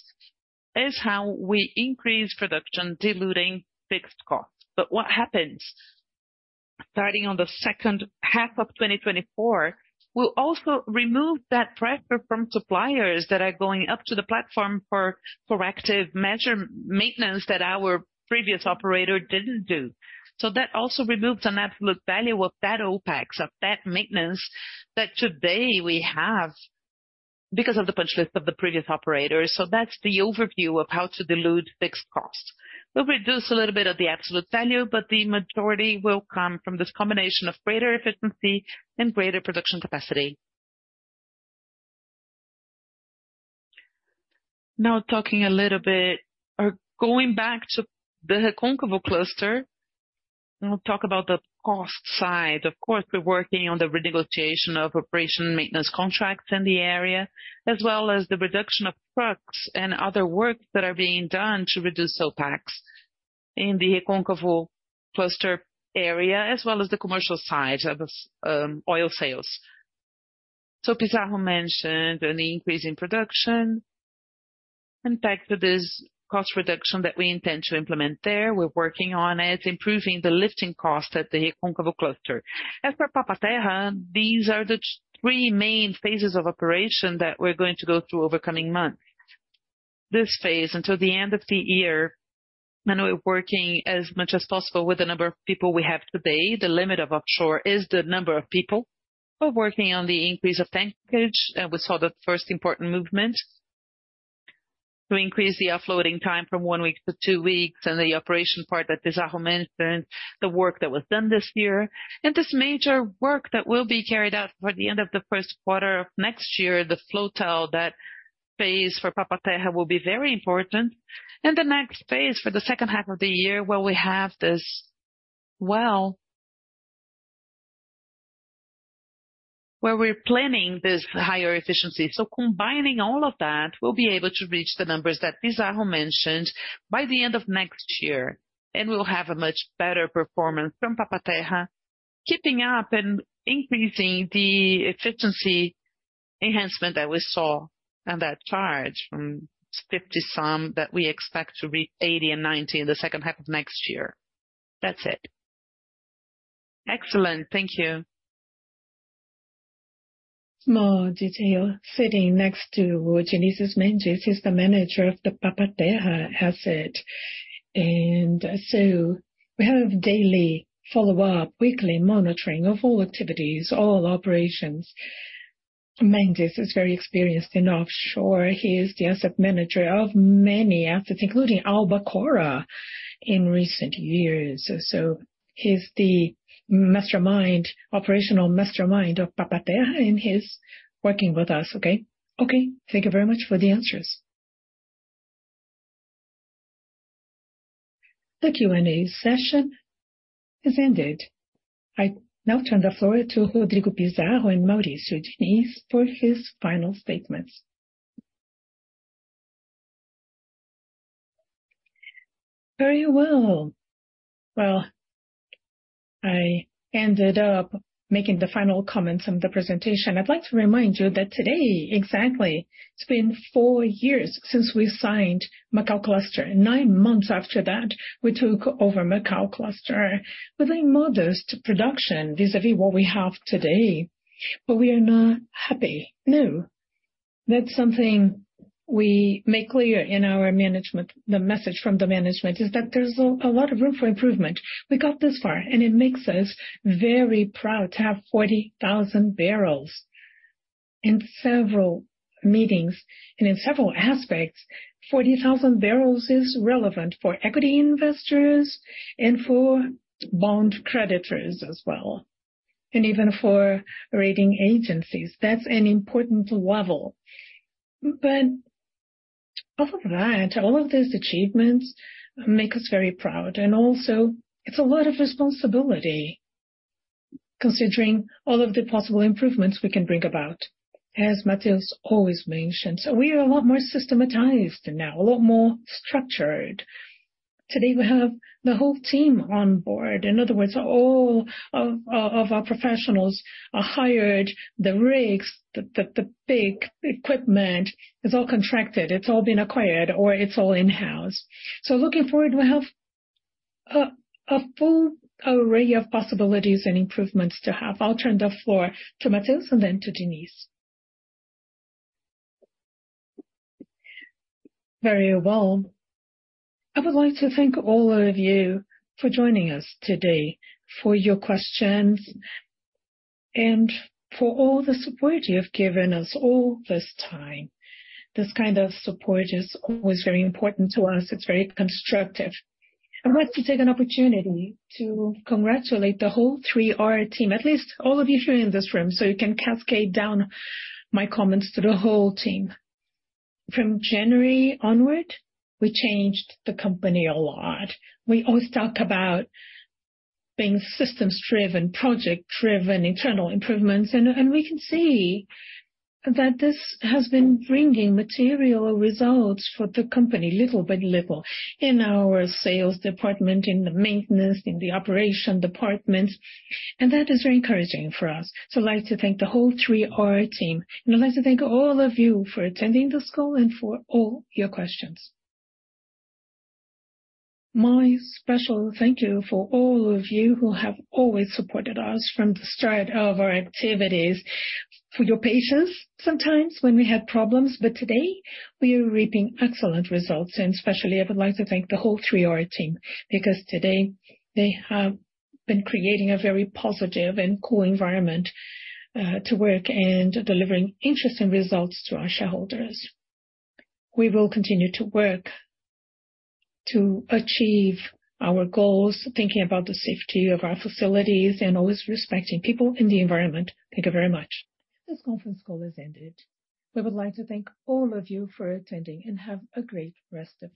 Speaker 4: is how we increase production, diluting fixed costs. What happens, starting on the second half of 2024, we'll also remove that pressure from suppliers that are going up to the platform for corrective measure maintenance that our previous operator didn't do.
Speaker 3: That also removes an absolute value of that OpEx, of that maintenance, that today we have because of the punch list of the previous operator. That's the overview of how to dilute fixed costs. We'll reduce a little bit of the absolute value, but the majority will come from this combination of greater efficiency and greater production capacity. Now, talking a little bit or going back to the Recôncavo Cluster, I'll talk about the cost side. Of course, we're working on the renegotiation of operation maintenance contracts in the area, as well as the reduction of trucks and other work that are being done to reduce OpEx in the Recôncavo Cluster area, as well as the commercial side of oil sales. Pizarro mentioned an increase in production and back to this cost reduction that we intend to implement there.
Speaker 4: We're working on it, improving the lifting cost at the Recôncavo Cluster. As for Papa-Terra, these are the three main phases of operation that we're going to go through over coming months. This phase, until the end of the year. We're working as much as possible with the number of people we have today, the limit of offshore is the number of people. We're working on the increase of tankage. We saw the first important movement to increase the offloading time from one week to two weeks, and the operation part that Pizarro mentioned, the work that was done this year, and this major work that will be carried out by the end of the first quarter of next year, the floatel, that phase for Papa-Terra will be very important. The next phase for the second half of the year, where we have this well. where we're planning this higher efficiency. Combining all of that, we'll be able to reach the numbers that Pizarro mentioned by the end of next year. We'll have a much better performance from Papa-Terra, keeping up and increasing the efficiency enhancement that we saw on that chart, from 50 some, that we expect to be 80 and 90 in the second half of next year. That's it.
Speaker 11: Excellent. Thank you.
Speaker 3: More detail. Sitting next to Geneses de Souza Mendes, he's the manager of the Papa-Terra asset, so we have daily follow-up, weekly monitoring of all activities, all operations. Mendes is very experienced in offshore. He is the asset manager of many assets, including Albacora, in recent years. He's the mastermind, operational mastermind of Papa-Terra, and he's working with us. Okay?
Speaker 11: Okay, thank you very much for the answers.
Speaker 1: The Q&A session has ended. I now turn the floor to Rodrigo Pizarro and Mauricio Diniz for his final statements.
Speaker 4: Very well. Well, I ended up making the final comments on the presentation. I'd like to remind you that today, exactly, it's been four years since we signed Macau cluster, and 9 months after that, we took over Macau cluster with a modest production vis-à-vis what we have today. We are not happy. No, that's something we make clear in our management. The message from the management is that there's a lot of room for improvement. We got this far, and it makes us very proud to have 40,000 barrels. In several meetings and in several aspects, 40,000 barrels is relevant for equity investors and for bond creditors as well, and even for rating agencies. That's an important level. All of that, all of those achievements make us very proud, and also it's a lot of responsibility, considering all of the possible improvements we can bring about, as Matheus always mentions. We are a lot more systematized now, a lot more structured. Today, we have the whole team on board. In other words, all of our professionals are hired, the rigs, the big equipment is all contracted. It's all been acquired, or it's all in-house. Looking forward, we have a full array of possibilities and improvements to have. I'll turn the floor to Matheus and then to Diniz.
Speaker 2: Very well. I would like to thank all of you for joining us today, for your questions, and for all the support you have given us all this time. This kind of support is always very important to us. It's very constructive. I'd like to take an opportunity to congratulate the whole 3R team, at least all of you here in this room, so you can cascade down my comments to the whole team. From January onward, we changed the company a lot. We always talk about being systems-driven, project-driven, internal improvements, and we can see that this has been bringing material results for the company, little by little, in our sales department, in the maintenance, in the operation departments, and that is very encouraging for us. I'd like to thank the whole 3R team, and I'd like to thank all of you for attending this call and for all your questions.
Speaker 3: My special thank you for all of you who have always supported us from the start of our activities, for your patience, sometimes when we had problems, but today we are reaping excellent results. Especially, I would like to thank the whole 3R team, because today they have been creating a very positive and cool environment to work and delivering interesting results to our shareholders. We will continue to work to achieve our goals, thinking about the safety of our facilities and always respecting people in the environment. Thank you very much.
Speaker 1: This conference call has ended. We would like to thank all of you for attending, and have a great rest of your day.